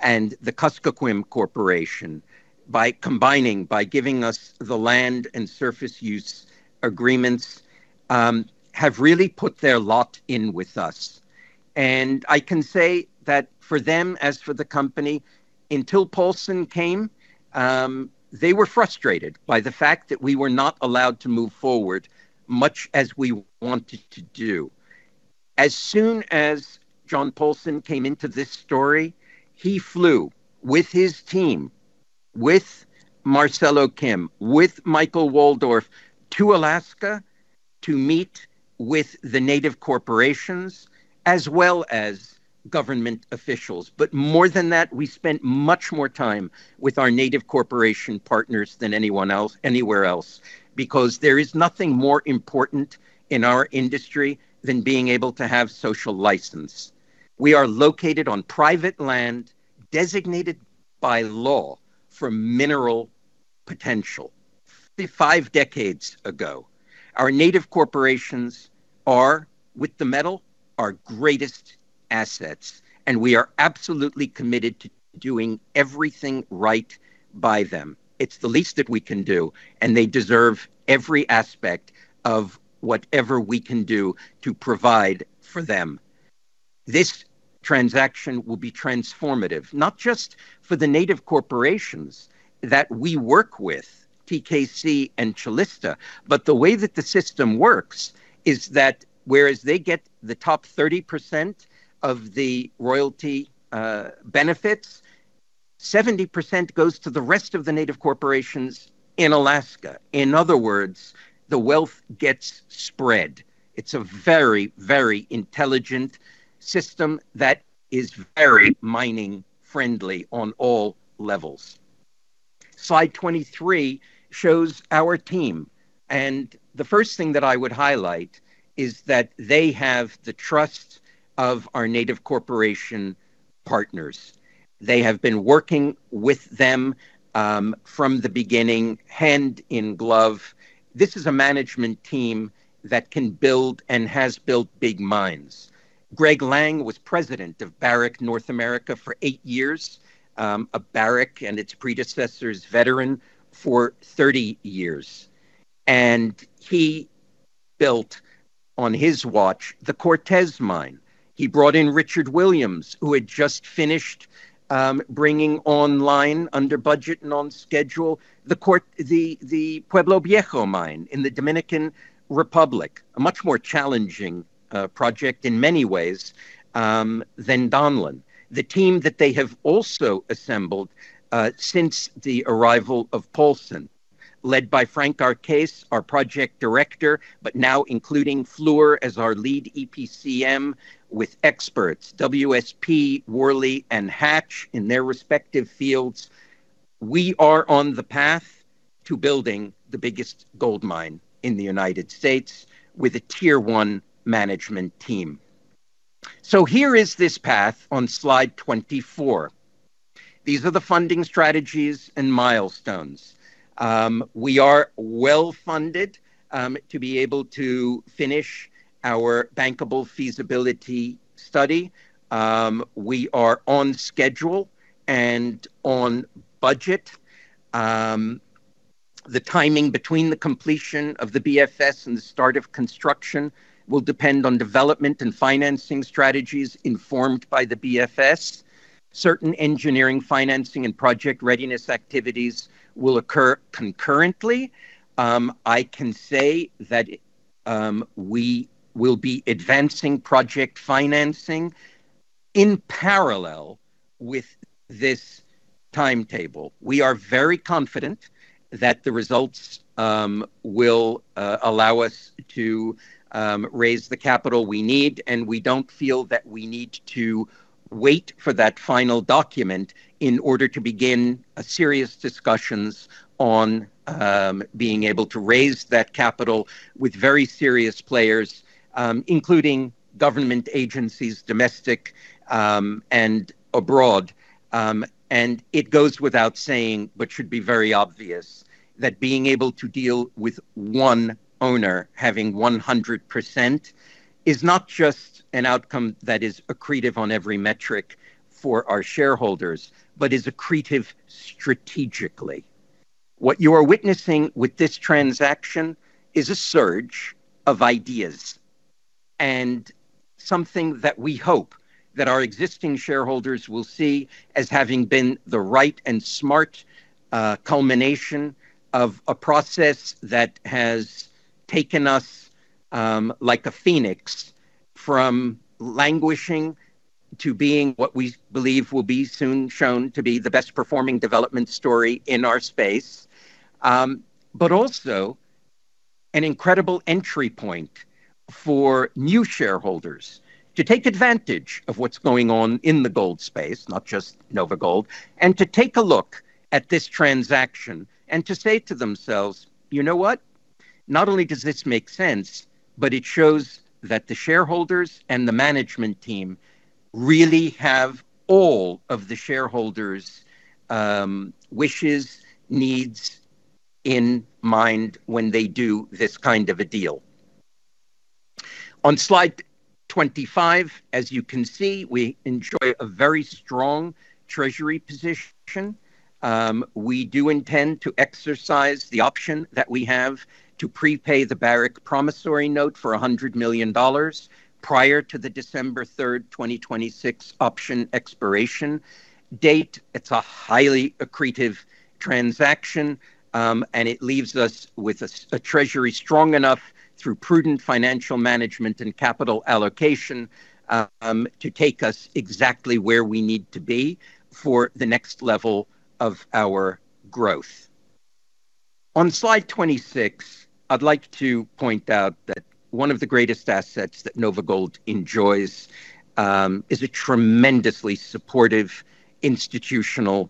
and the Kuskokwim Corporation by combining, by giving us the land and surface use agreements, have really put their lot in with us. I can say that for them as for the company, until Paulson came they were frustrated by the fact that we were not allowed to move forward much as we wanted to do. As soon as John Paulson came into this story, he flew with his team, with Marcelo Kim, with Michael Waldorf to Alaska to meet with the native corporations as well as government officials. More than that, we spent much more time with our native corporation partners than anyone else, anywhere else because there is nothing more important in our industry than being able to have social license. We are located on private land designated by law for mineral potential five decades ago. Our native corporations are, with the metal, our greatest assets, and we are absolutely committed to doing everything right by them. It's the least that we can do, and they deserve every aspect of whatever we can do to provide for them. This transaction will be transformative, not just for the native corporations that we work with, TKC and Calista, but the way that the system works is that whereas they get the top 30% of the royalty benefits, 70% goes to the rest of the native corporations in Alaska. In other words, the wealth gets spread. It's a very, very intelligent system that is very mining friendly on all levels. Slide 23 shows our team, the first thing that I would highlight is that they have the trust of our native corporation partners. They have been working with them from the beginning hand in glove. This is a management team that can build and has built big mines. Greg Lang was president of Barrick North America for eight years, a Barrick and its predecessor's veteran for 30 years. He built on his watch the Cortez Mine. He brought in Richard Williams, who had just finished bringing online under budget and on schedule the Pueblo Viejo mine in the Dominican Republic, a much more challenging project in many ways than Donlin. The team that they have also assembled since the arrival of Paulson, led by Frank Arcese, our project director, but now including Fluor as our lead EPCM with experts WSP, Worley and Hatch in their respective fields. We are on the path to building the biggest gold mine in the U.S. with a Tier 1 management team. Here is this path on slide 24. These are the funding strategies and milestones. We are well-funded to be able to finish our bankable feasibility study. We are on schedule and on Budget. The timing between the completion of the BFS and the start of construction will depend on development and financing strategies informed by the BFS. Certain engineering, financing, and project readiness activities will occur concurrently. I can say that we will be advancing project financing in parallel with this timetable. We are very confident that the results will allow us to raise the capital we need, and we don't feel that we need to wait for that final document in order to begin serious discussions on being able to raise that capital with very serious players, including government agencies, domestic and abroad. It goes without saying, but should be very obvious, that being able to deal with one owner having 100% is not just an outcome that is accretive on every metric for our shareholders, but is accretive strategically. What you are witnessing with this transaction is a surge of ideas, something that we hope that our existing shareholders will see as having been the right and smart culmination of a process that has taken us, like a phoenix, from languishing to being what we believe will be soon shown to be the best performing development story in our space. Also an incredible entry point for new shareholders to take advantage of what's going on in the gold space, not just NOVAGOLD, to take a look at this transaction and to say to themselves, "You know what? Not only does this make sense, but it shows that the shareholders and the management team really have all of the shareholders' wishes, needs in mind when they do this kind of a deal." On slide 25, as you can see, we enjoy a very strong treasury position. We do intend to exercise the option that we have to prepay the Barrick promissory note for $100 million prior to the December 3rd, 2026 option expiration date. It's a highly accretive transaction, it leaves us with a treasury strong enough through prudent financial management and capital allocation to take us exactly where we need to be for the next level of our growth. On slide 26, I'd like to point out that one of the greatest assets that NOVAGOLD enjoys is a tremendously supportive institutional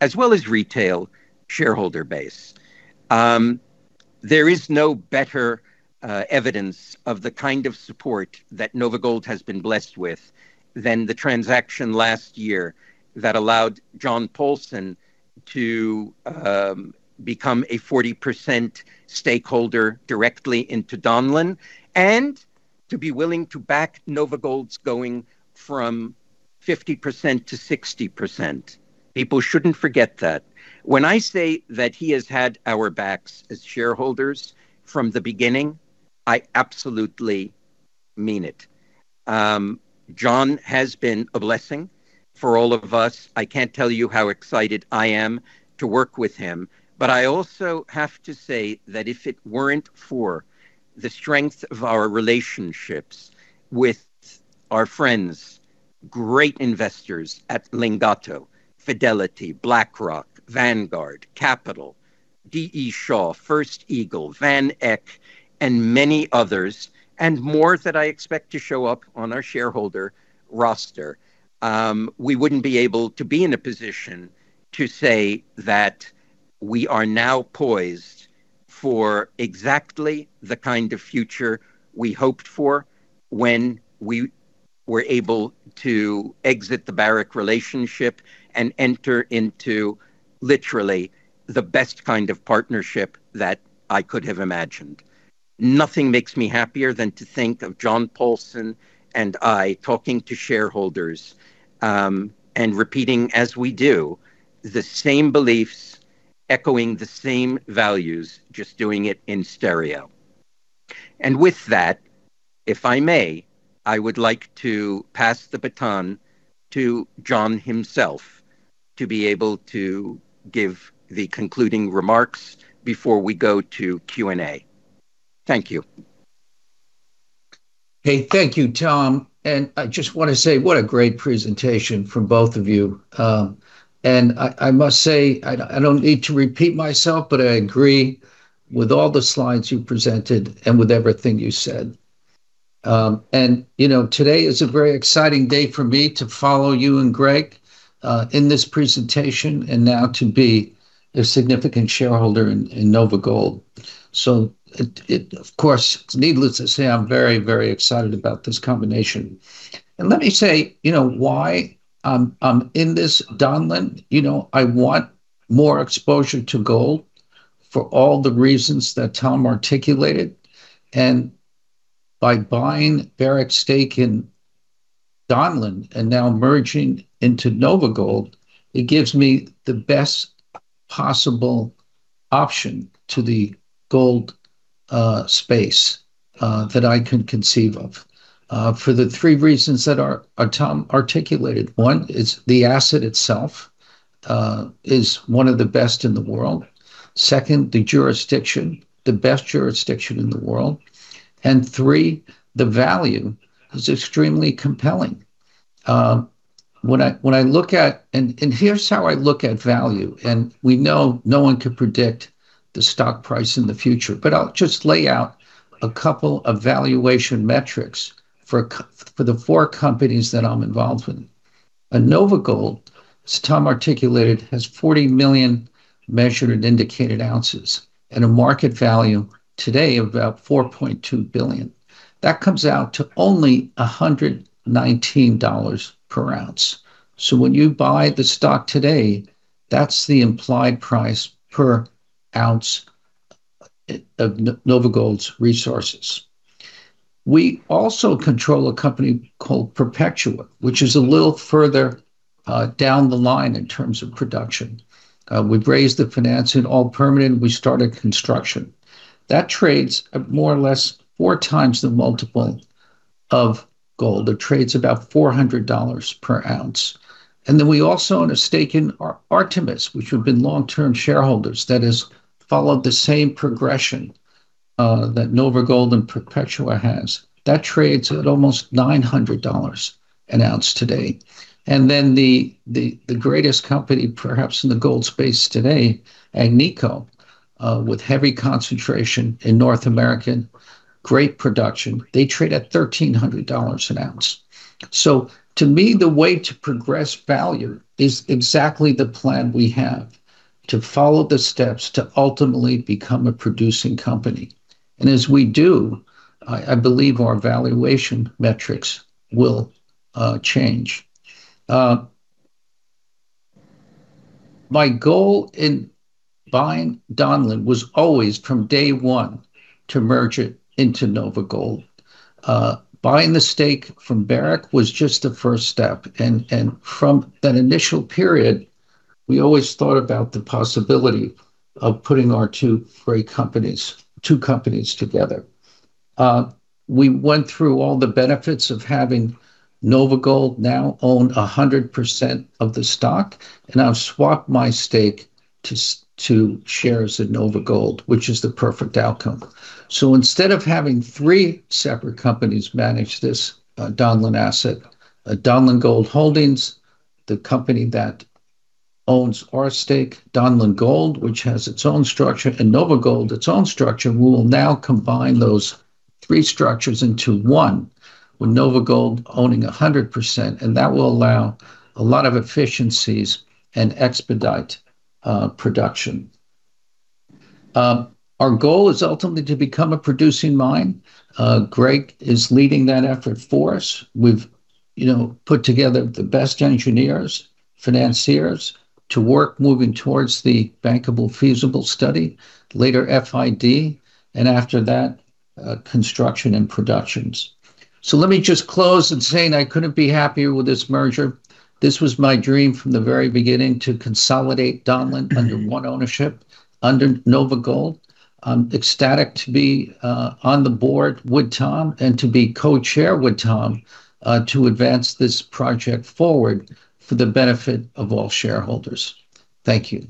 as well as retail shareholder base. There is no better evidence of the kind of support that NOVAGOLD has been blessed with than the transaction last year that allowed John Paulson to become a 40% stakeholder directly into Donlin, to be willing to back NOVAGOLD's going from 50% to 60%. People shouldn't forget that. When I say that he has had our backs as shareholders from the beginning, I absolutely mean it. John has been a blessing for all of us. I can't tell you how excited I am to work with him. I also have to say that if it weren't for the strength of our relationships with our friends, great investors at Lingotto, Fidelity, BlackRock, Vanguard, Capital, D. E. Shaw, First Eagle, VanEck, many others, and more that I expect to show up on our shareholder roster, we wouldn't be able to be in a position to say that we are now poised for exactly the kind of future we hoped for when we were able to exit the Barrick relationship and enter into literally the best kind of partnership that I could have imagined. Nothing makes me happier than to think of John Paulson and I talking to shareholders, repeating as we do the same beliefs, echoing the same values, just doing it in stereo. With that, if I may, I would like to pass the baton to John himself to be able to give the concluding remarks before we go to Q&A. Thank you. Hey. Thank you, Tom. I just want to say what a great presentation from both of you. I must say, I don't need to repeat myself, but I agree with all the slides you presented and with everything you said. Today is a very exciting day for me to follow you and Greg, in this presentation and now to be a significant shareholder in NOVAGOLD. Of course, it's needless to say, I'm very excited about this combination. Let me say why I'm in this Donlin'. I want more exposure to gold for all the reasons that Tom articulated, and by buying Barrick's stake in Donlin, and now merging into NOVAGOLD, it gives me the best possible option to the gold space that I can conceive of for the three reasons that Tom articulated. One is the asset itself is one of the best in the world. Second, the jurisdiction, the best jurisdiction in the world. Three, the value is extremely compelling. Here's how I look at value, and we know no one can predict the stock price in the future, but I'll just lay out a couple of valuation metrics for the four companies that I'm involved with. NOVAGOLD, as Tom articulated, has 40 million Measured and Indicated ounces, and a market value today of about $4.2 billion. That comes out to only $119 per ounce. When you buy the stock today, that's the implied price per ounce of NOVAGOLD's resources. We also control a company called Perpetua, which is a little further down the line in terms of production. We've raised the financing, all permanent. We started construction. That trades at more or less 4x the multiple of gold. It trades about $400 per ounce. Then we also own a stake in Artemis, which we've been long-term shareholders, that has followed the same progression that NOVAGOLD and Perpetua has. That trades at almost $900 an ounce today. Then the greatest company perhaps in the gold space today, Agnico, with heavy concentration in North American, great production, they trade at $1,300 an ounce. To me, the way to progress value is exactly the plan we have, to follow the steps to ultimately become a producing company. As we do, I believe our valuation metrics will change. My goal in buying Donlin was always from day one to merge it into NOVAGOLD. Buying the stake from Barrick was just the first step, and from that initial period, we always thought about the possibility of putting our two great companies together. We went through all the benefits of having NOVAGOLD now own 100% of the stock, and I've swapped my stake to shares in NOVAGOLD, which is the perfect outcome. Instead of having three separate companies manage this Donlin asset, Donlin Gold Holdings, the company that owns our stake, Donlin Gold, which has its own structure, and NOVAGOLD, its own structure. We will now combine those three structures into one, with NOVAGOLD owning 100%, and that will allow a lot of efficiencies and expedite production. Our goal is ultimately to become a producing mine. Greg is leading that effort for us. We've put together the best engineers, financiers, to work moving towards the Bankable Feasibility Study, later FID, and after that, construction and productions. Let me just close in saying I couldn't be happier with this merger. This was my dream from the very beginning, to consolidate Donlin under one ownership, under NOVAGOLD. I'm ecstatic to be on the board with Tom and to be co-chair with Tom to advance this project forward for the benefit of all shareholders. Thank you.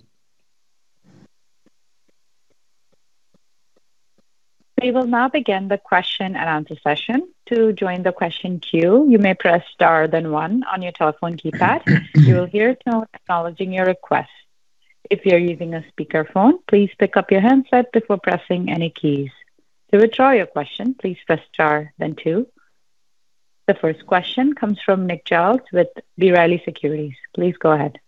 We will now begin the question and answer session. To join the question queue, you may press star then one on your telephone keypad. You will hear a tone acknowledging your request. If you're using a speakerphone, please pick up your handset before pressing any keys. To withdraw your question, please press star then two. The first question comes from Nick Giles with B. Riley Securities. Please go ahead.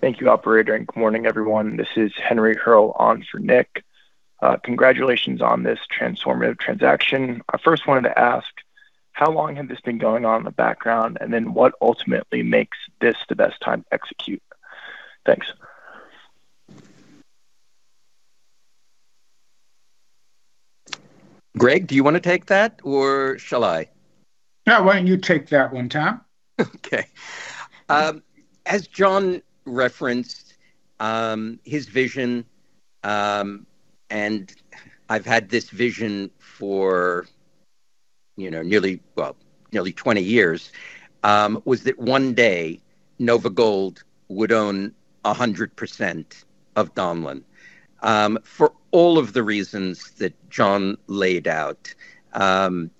Thank you, operator, and good morning, everyone. This is Henry Hearle on for Nick. Congratulations on this transformative transaction. I first wanted to ask, how long had this been going on in the background, then what ultimately makes this the best time to execute? Thanks. Greg, do you want to take that or shall I? No, why don't you take that one, Tom? Okay. As John referenced, his vision, and I've had this vision for nearly 20 years, was that one day NOVAGOLD would own 100% of Donlin. For all of the reasons that John laid out,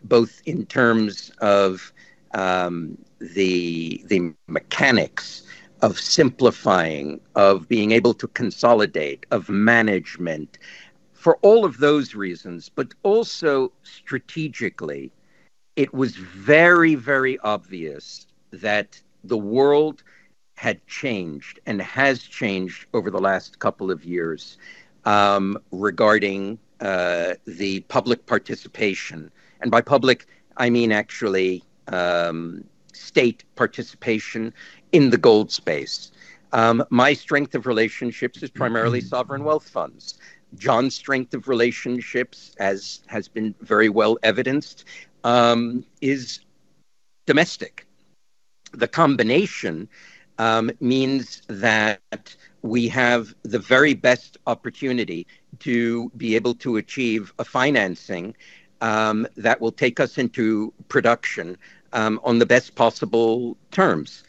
both in terms of the mechanics of simplifying, of being able to consolidate, of management, for all of those reasons, but also strategically, it was very obvious that the world had changed, and has changed over the last couple of years, regarding the public participation. By public, I mean actually state participation in the gold space. My strength of relationships is primarily sovereign wealth funds. John's strength of relationships, as has been very well evidenced, is domestic The combination means that we have the very best opportunity to be able to achieve a financing that will take us into production on the best possible terms.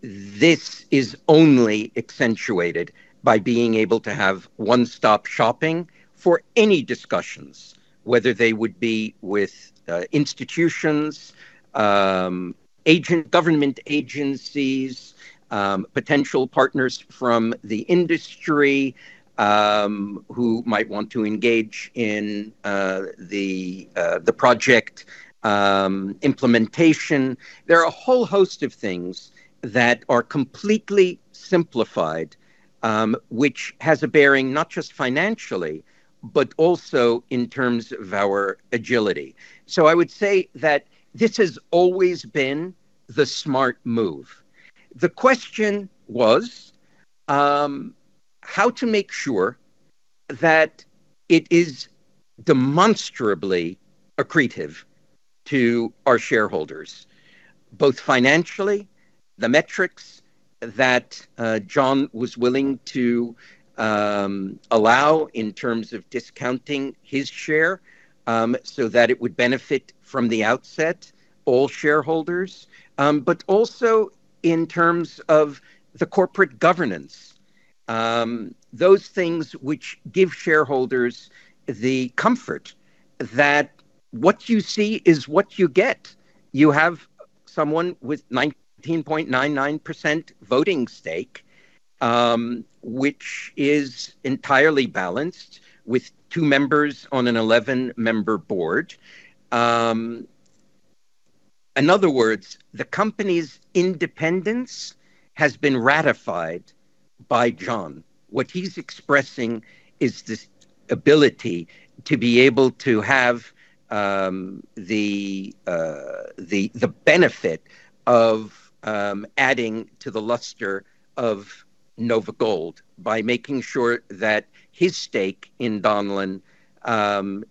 This is only accentuated by being able to have one-stop shopping for any discussions, whether they would be with institutions, government agencies, potential partners from the industry who might want to engage in the project implementation. There are a whole host of things that are completely simplified, which has a bearing, not just financially, but also in terms of our agility. I would say that this has always been the smart move. The question was how to make sure that it is demonstrably accretive to our shareholders, both financially, the metrics that John was willing to allow in terms of discounting his share, so that it would benefit from the outset all shareholders, but also in terms of the corporate governance. Those things which give shareholders the comfort that what you see is what you get. You have someone with 19.99% voting stake, which is entirely balanced with two members on an 11-member board. In other words, the company's independence has been ratified by John. What he's expressing is this ability to be able to have the benefit of adding to the luster of NOVAGOLD by making sure that his stake in Donlin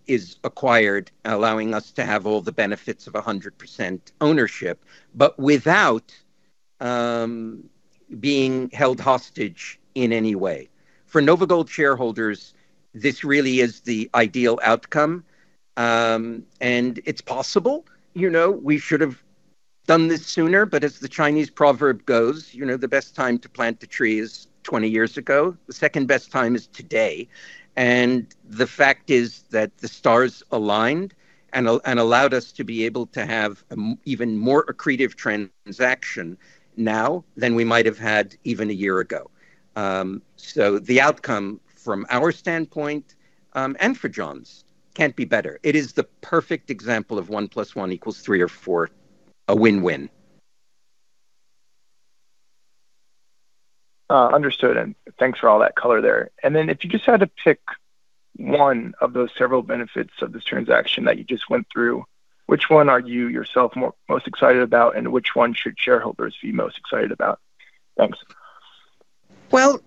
is acquired, allowing us to have all the benefits of 100% ownership, but without being held hostage in any way. For NOVAGOLD shareholders, this really is the ideal outcome, and it's possible. We should have done this sooner, but as the Chinese proverb goes, "The best time to plant a tree is 20 years ago. The second-best time is today." The fact is that the stars aligned and allowed us to be able to have even more accretive transaction now than we might have had even a year ago. The outcome from our standpoint, and for John's, can't be better. It is the perfect example of 1+1=3 or 4 a win-win. Understood, thanks for all that color there. If you just had to pick one of those several benefits of this transaction that you just went through, which one are you, yourself, most excited about, and which one should shareholders be most excited about? Thanks. Well,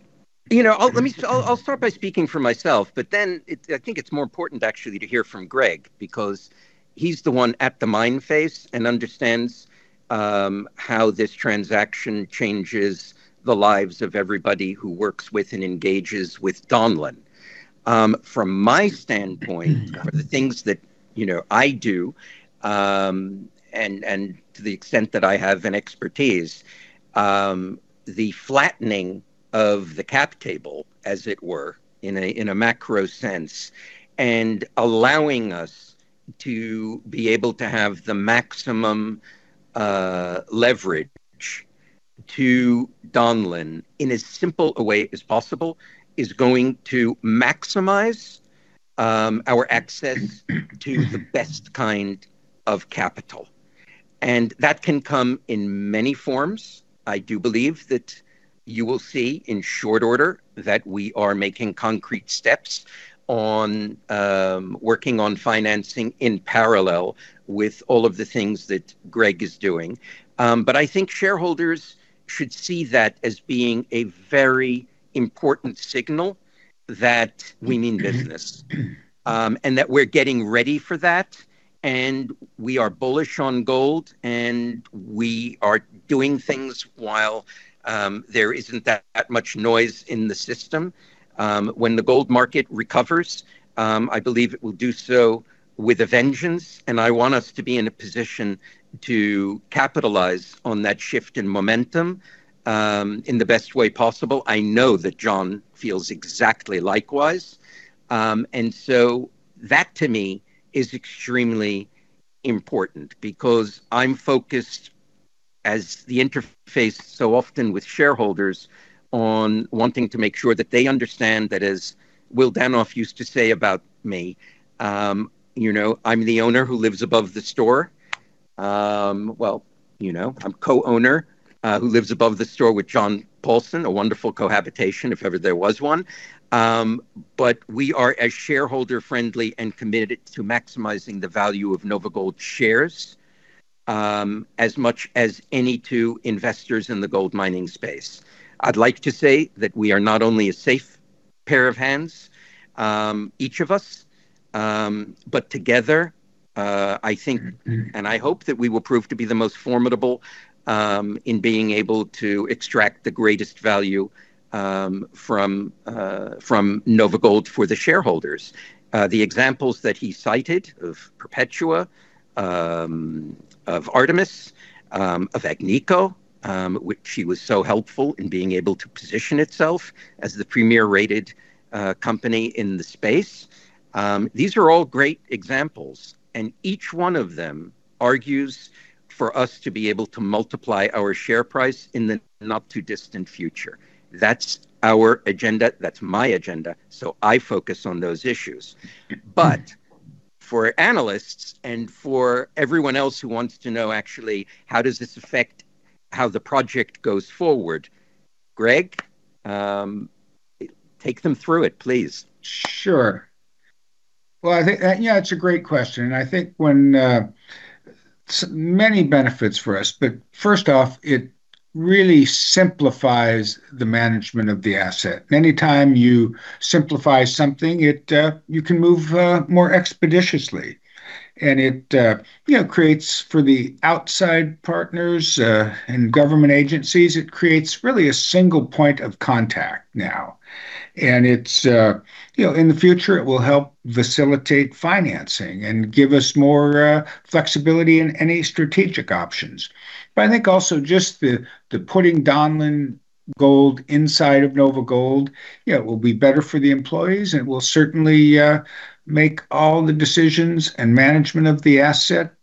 I'll start by speaking for myself, I think it's more important actually to hear from Greg, because he's the one at the mine face and understands how this transaction changes the lives of everybody who works with and engages with Donlin. From my standpoint, for the things that I do, and to the extent that I have an expertise, the flattening of the cap table, as it were, in a macro sense, allowing us to be able to have the maximum leverage to Donlin in as simple a way as possible is going to maximize our access to the best kind of capital. That can come in many forms. I do believe that you will see in short order that we are making concrete steps on working on financing in parallel with all of the things that Greg is doing. I think shareholders should see that as being a very important signal that we mean business, and that we're getting ready for that, and we are bullish on gold, and we are doing things while there isn't that much noise in the system. When the gold market recovers, I believe it will do so with a vengeance, and I want us to be in a position to capitalize on that shift in momentum in the best way possible. I know that John feels exactly likewise. That to me is extremely important because I'm focused as the interface so often with shareholders on wanting to make sure that they understand that as Will Danoff used to say about me, I'm the owner who lives above the store. Well, I'm co-owner who lives above the store with John Paulson, a wonderful cohabitation if ever there was one. We are as shareholder friendly and committed to maximizing the value of NOVAGOLD shares as much as any two investors in the gold mining space. I'd like to say that we are not only a safe pair of hands each of us but together, I think and I hope that we will prove to be the most formidable in being able to extract the greatest value from NOVAGOLD for the shareholders. The examples that he cited of Perpetua, of Artemis, of Agnico, which he was so helpful in being able to position itself as the premier-rated company in the space. These are all great examples, and each one of them argues for us to be able to multiply our share price in the not too distant future. That's our agenda, that's my agenda. I focus on those issues. For analysts and for everyone else who wants to know actually how does this affect how the project goes forward, Greg, take them through it, please. Sure. Well, I think that, yeah, it's a great question, and I think many benefits for us, but first off, it really simplifies the management of the asset. Anytime you simplify something, you can move more expeditiously and it creates for the outside partners and government agencies, it creates really a single point of contact now. It's in the future, it will help facilitate financing and give us more flexibility in any strategic options. I think also just the putting Donlin Gold inside of NOVAGOLD, yeah, it will be better for the employees and it will certainly make all the decisions and management of the asset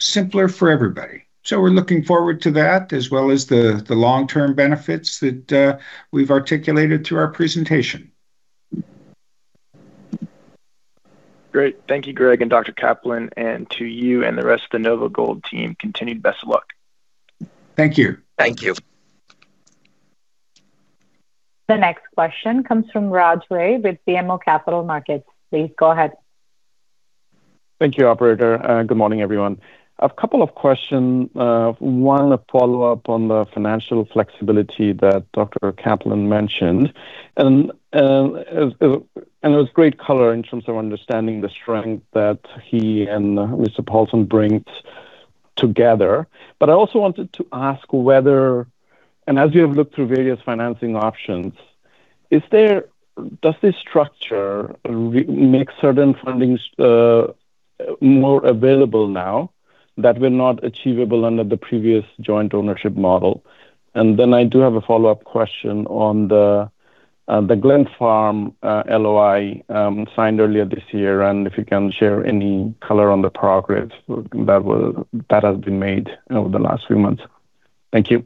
simpler for everybody. We're looking forward to that, as well as the long-term benefits that we've articulated through our presentation. Great. Thank you, Greg and Dr. Kaplan, and to you and the rest of the NOVAGOLD team, continued best luck. Thank you. Thank you. The next question comes from Raj Ray with BMO Capital Markets. Please go ahead. Thank you, operator. Good morning, everyone. A couple of questions. One, a follow-up on the financial flexibility that Dr. Kaplan mentioned. It was great color in terms of understanding the strength that he and Mr. Paulson brings together. I also wanted to ask whether, and as we have looked through various financing options, does this structure make certain fundings more available now that were not achievable under the previous joint ownership model? I do have a follow-up question on the Glenfarne LOI signed earlier this year, and if you can share any color on the progress that has been made over the last few months. Thank you.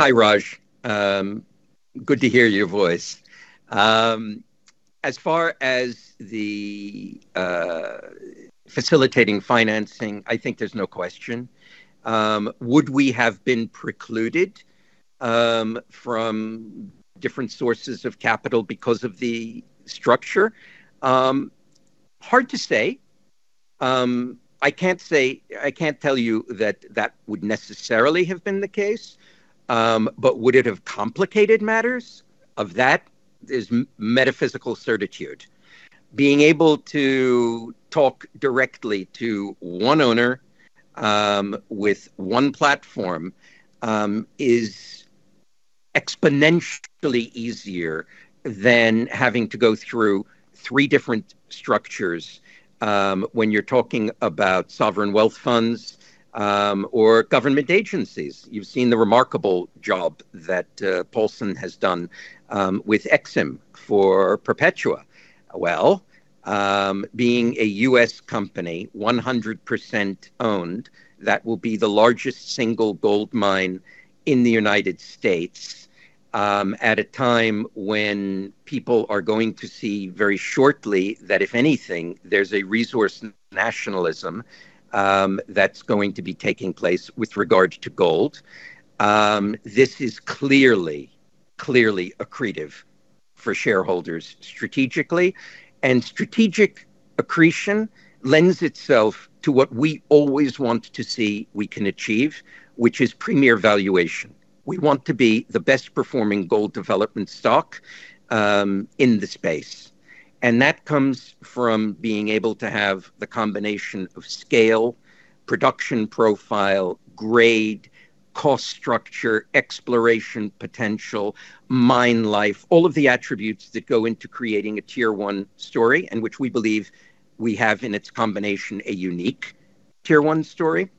Hi, Raj. Good to hear your voice. As far as the facilitating financing, I think there's no question. Would we have been precluded from different sources of capital because of the structure? Hard to say. I can't tell you that that would necessarily have been the case, but would it have complicated matters? Of that is metaphysical certitude. Being able to talk directly to one owner with one platform is exponentially easier than having to go through three different structures when you're talking about sovereign wealth funds or government agencies. You've seen the remarkable job that Paulson has done with EXIM for Perpetua. Well, being a U.S. company 100% owned, that will be the largest single gold mine in the United States, at a time when people are going to see very shortly that if anything, there's a resource nationalism that's going to be taking place with regard to gold. This is clearly accretive for shareholders strategically. Strategic accretion lends itself to what we always want to see we can achieve, which is premier valuation. We want to be the best performing gold development stock in the space. That comes from being able to have the combination of scale, production profile, grade, cost structure, exploration potential, mine life, all of the attributes that go into creating a Tier 1 story, and which we believe we have in its combination a unique Tier 1 story.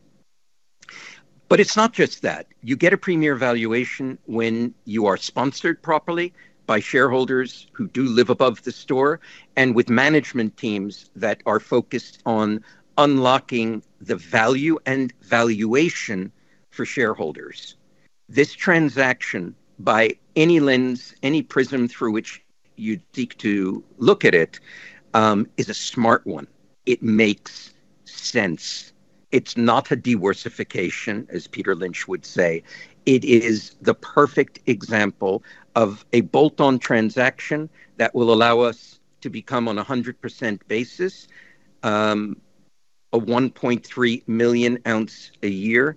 It's not just that. You get a premier valuation when you are sponsored properly by shareholders who do live above the store, and with management teams that are focused on unlocking the value and valuation for shareholders. This transaction, by any lens, any prism through which you seek to look at it is a smart one. It makes sense. It's not a deworsification, as Peter Lynch would say. It is the perfect example of a bolt-on transaction that will allow us to become on 100% basis a 1.3 million ounce a year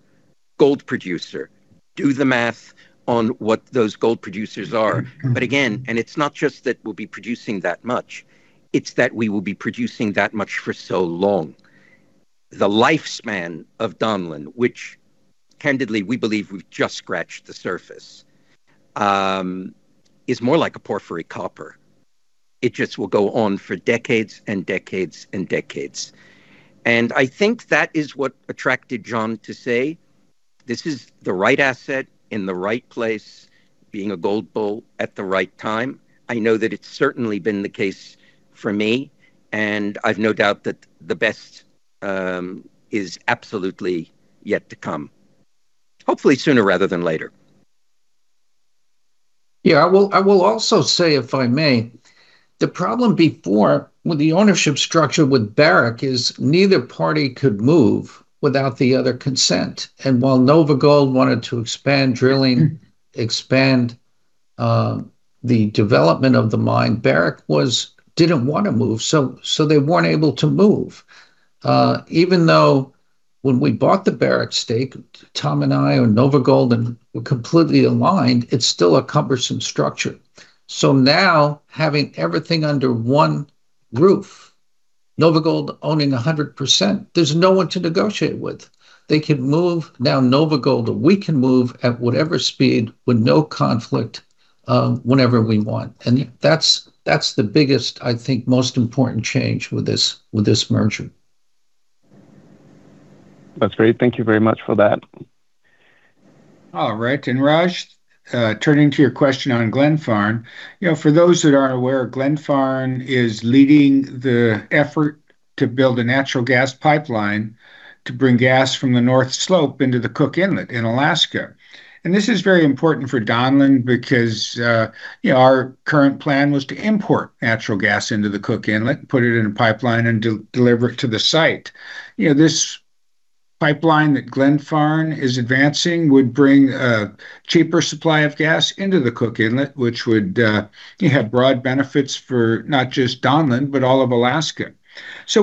gold producer. Do the math on what those gold producers are. Again, it's not just that we'll be producing that much, it's that we will be producing that much for so long. The lifespan of Donlin, which candidly we believe we've just scratched the surface, is more like a porphyry copper. It just will go on for decades and decades and decades. I think that is what attracted John to say, this is the right asset in the right place, being a gold bull at the right time. I know that it's certainly been the case for me, and I've no doubt that the best is absolutely yet to come. Hopefully sooner rather than later. I will also say, if I may, the problem before with the ownership structure with Barrick is neither party could move without the other consent. While NOVAGOLD wanted to expand drilling- expand the development of the mine, Barrick didn't want to move, so they weren't able to move. Even though when we bought the Barrick stake, Tom and I or NOVAGOLD and completely aligned, it's still a cumbersome structure. Now having everything under one roof, NOVAGOLD owning 100%, there's no one to negotiate with. They can move now NOVAGOLD, or we can move at whatever speed with no conflict, whenever we want. That's the biggest, I think, most important change with this merger. That's great. Thank you very much for that. All right. Raj, turning to your question on Glenfarne, for those that aren't aware, Glenfarne is leading the effort to build a natural gas pipeline to bring gas from the North Slope into the Cook Inlet in Alaska. This is very important for Donlin because our current plan was to import natural gas into the Cook Inlet, put it in a pipeline, and deliver it to the site. This pipeline that Glenfarne is advancing would bring a cheaper supply of gas into the Cook Inlet, which would have broad benefits for not just Donlin, but all of Alaska.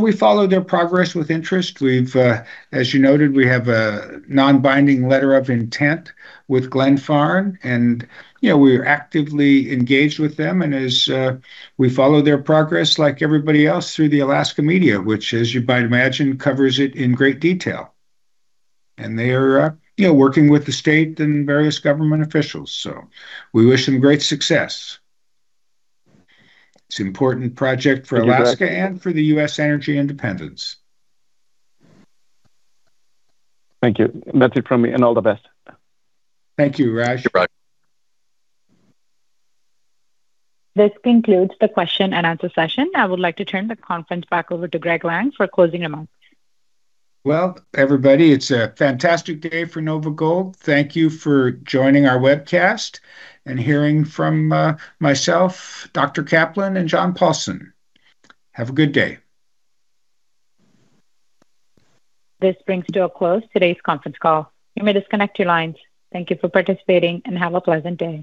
We follow their progress with interest. As you noted, we have a non-binding letter of intent with Glenfarne, and we're actively engaged with them, as we follow their progress like everybody else through the Alaska media, which, as you might imagine, covers it in great detail. They are working with the state and various government officials, we wish them great success. It's an important project for- Thank you, Greg Alaska and for the U.S. energy independence. Thank you. That's it from me, and all the best. Thank you, Raj. Thank you, Raj. This concludes the question and answer session. I would like to turn the conference back over to Greg Lang for closing remarks. Well, everybody, it's a fantastic day for NOVAGOLD. Thank you for joining our webcast and hearing from myself, Dr. Kaplan, and John Paulson. Have a good day. This brings to a close today's conference call. You may disconnect your lines. Thank you for participating, and have a pleasant day.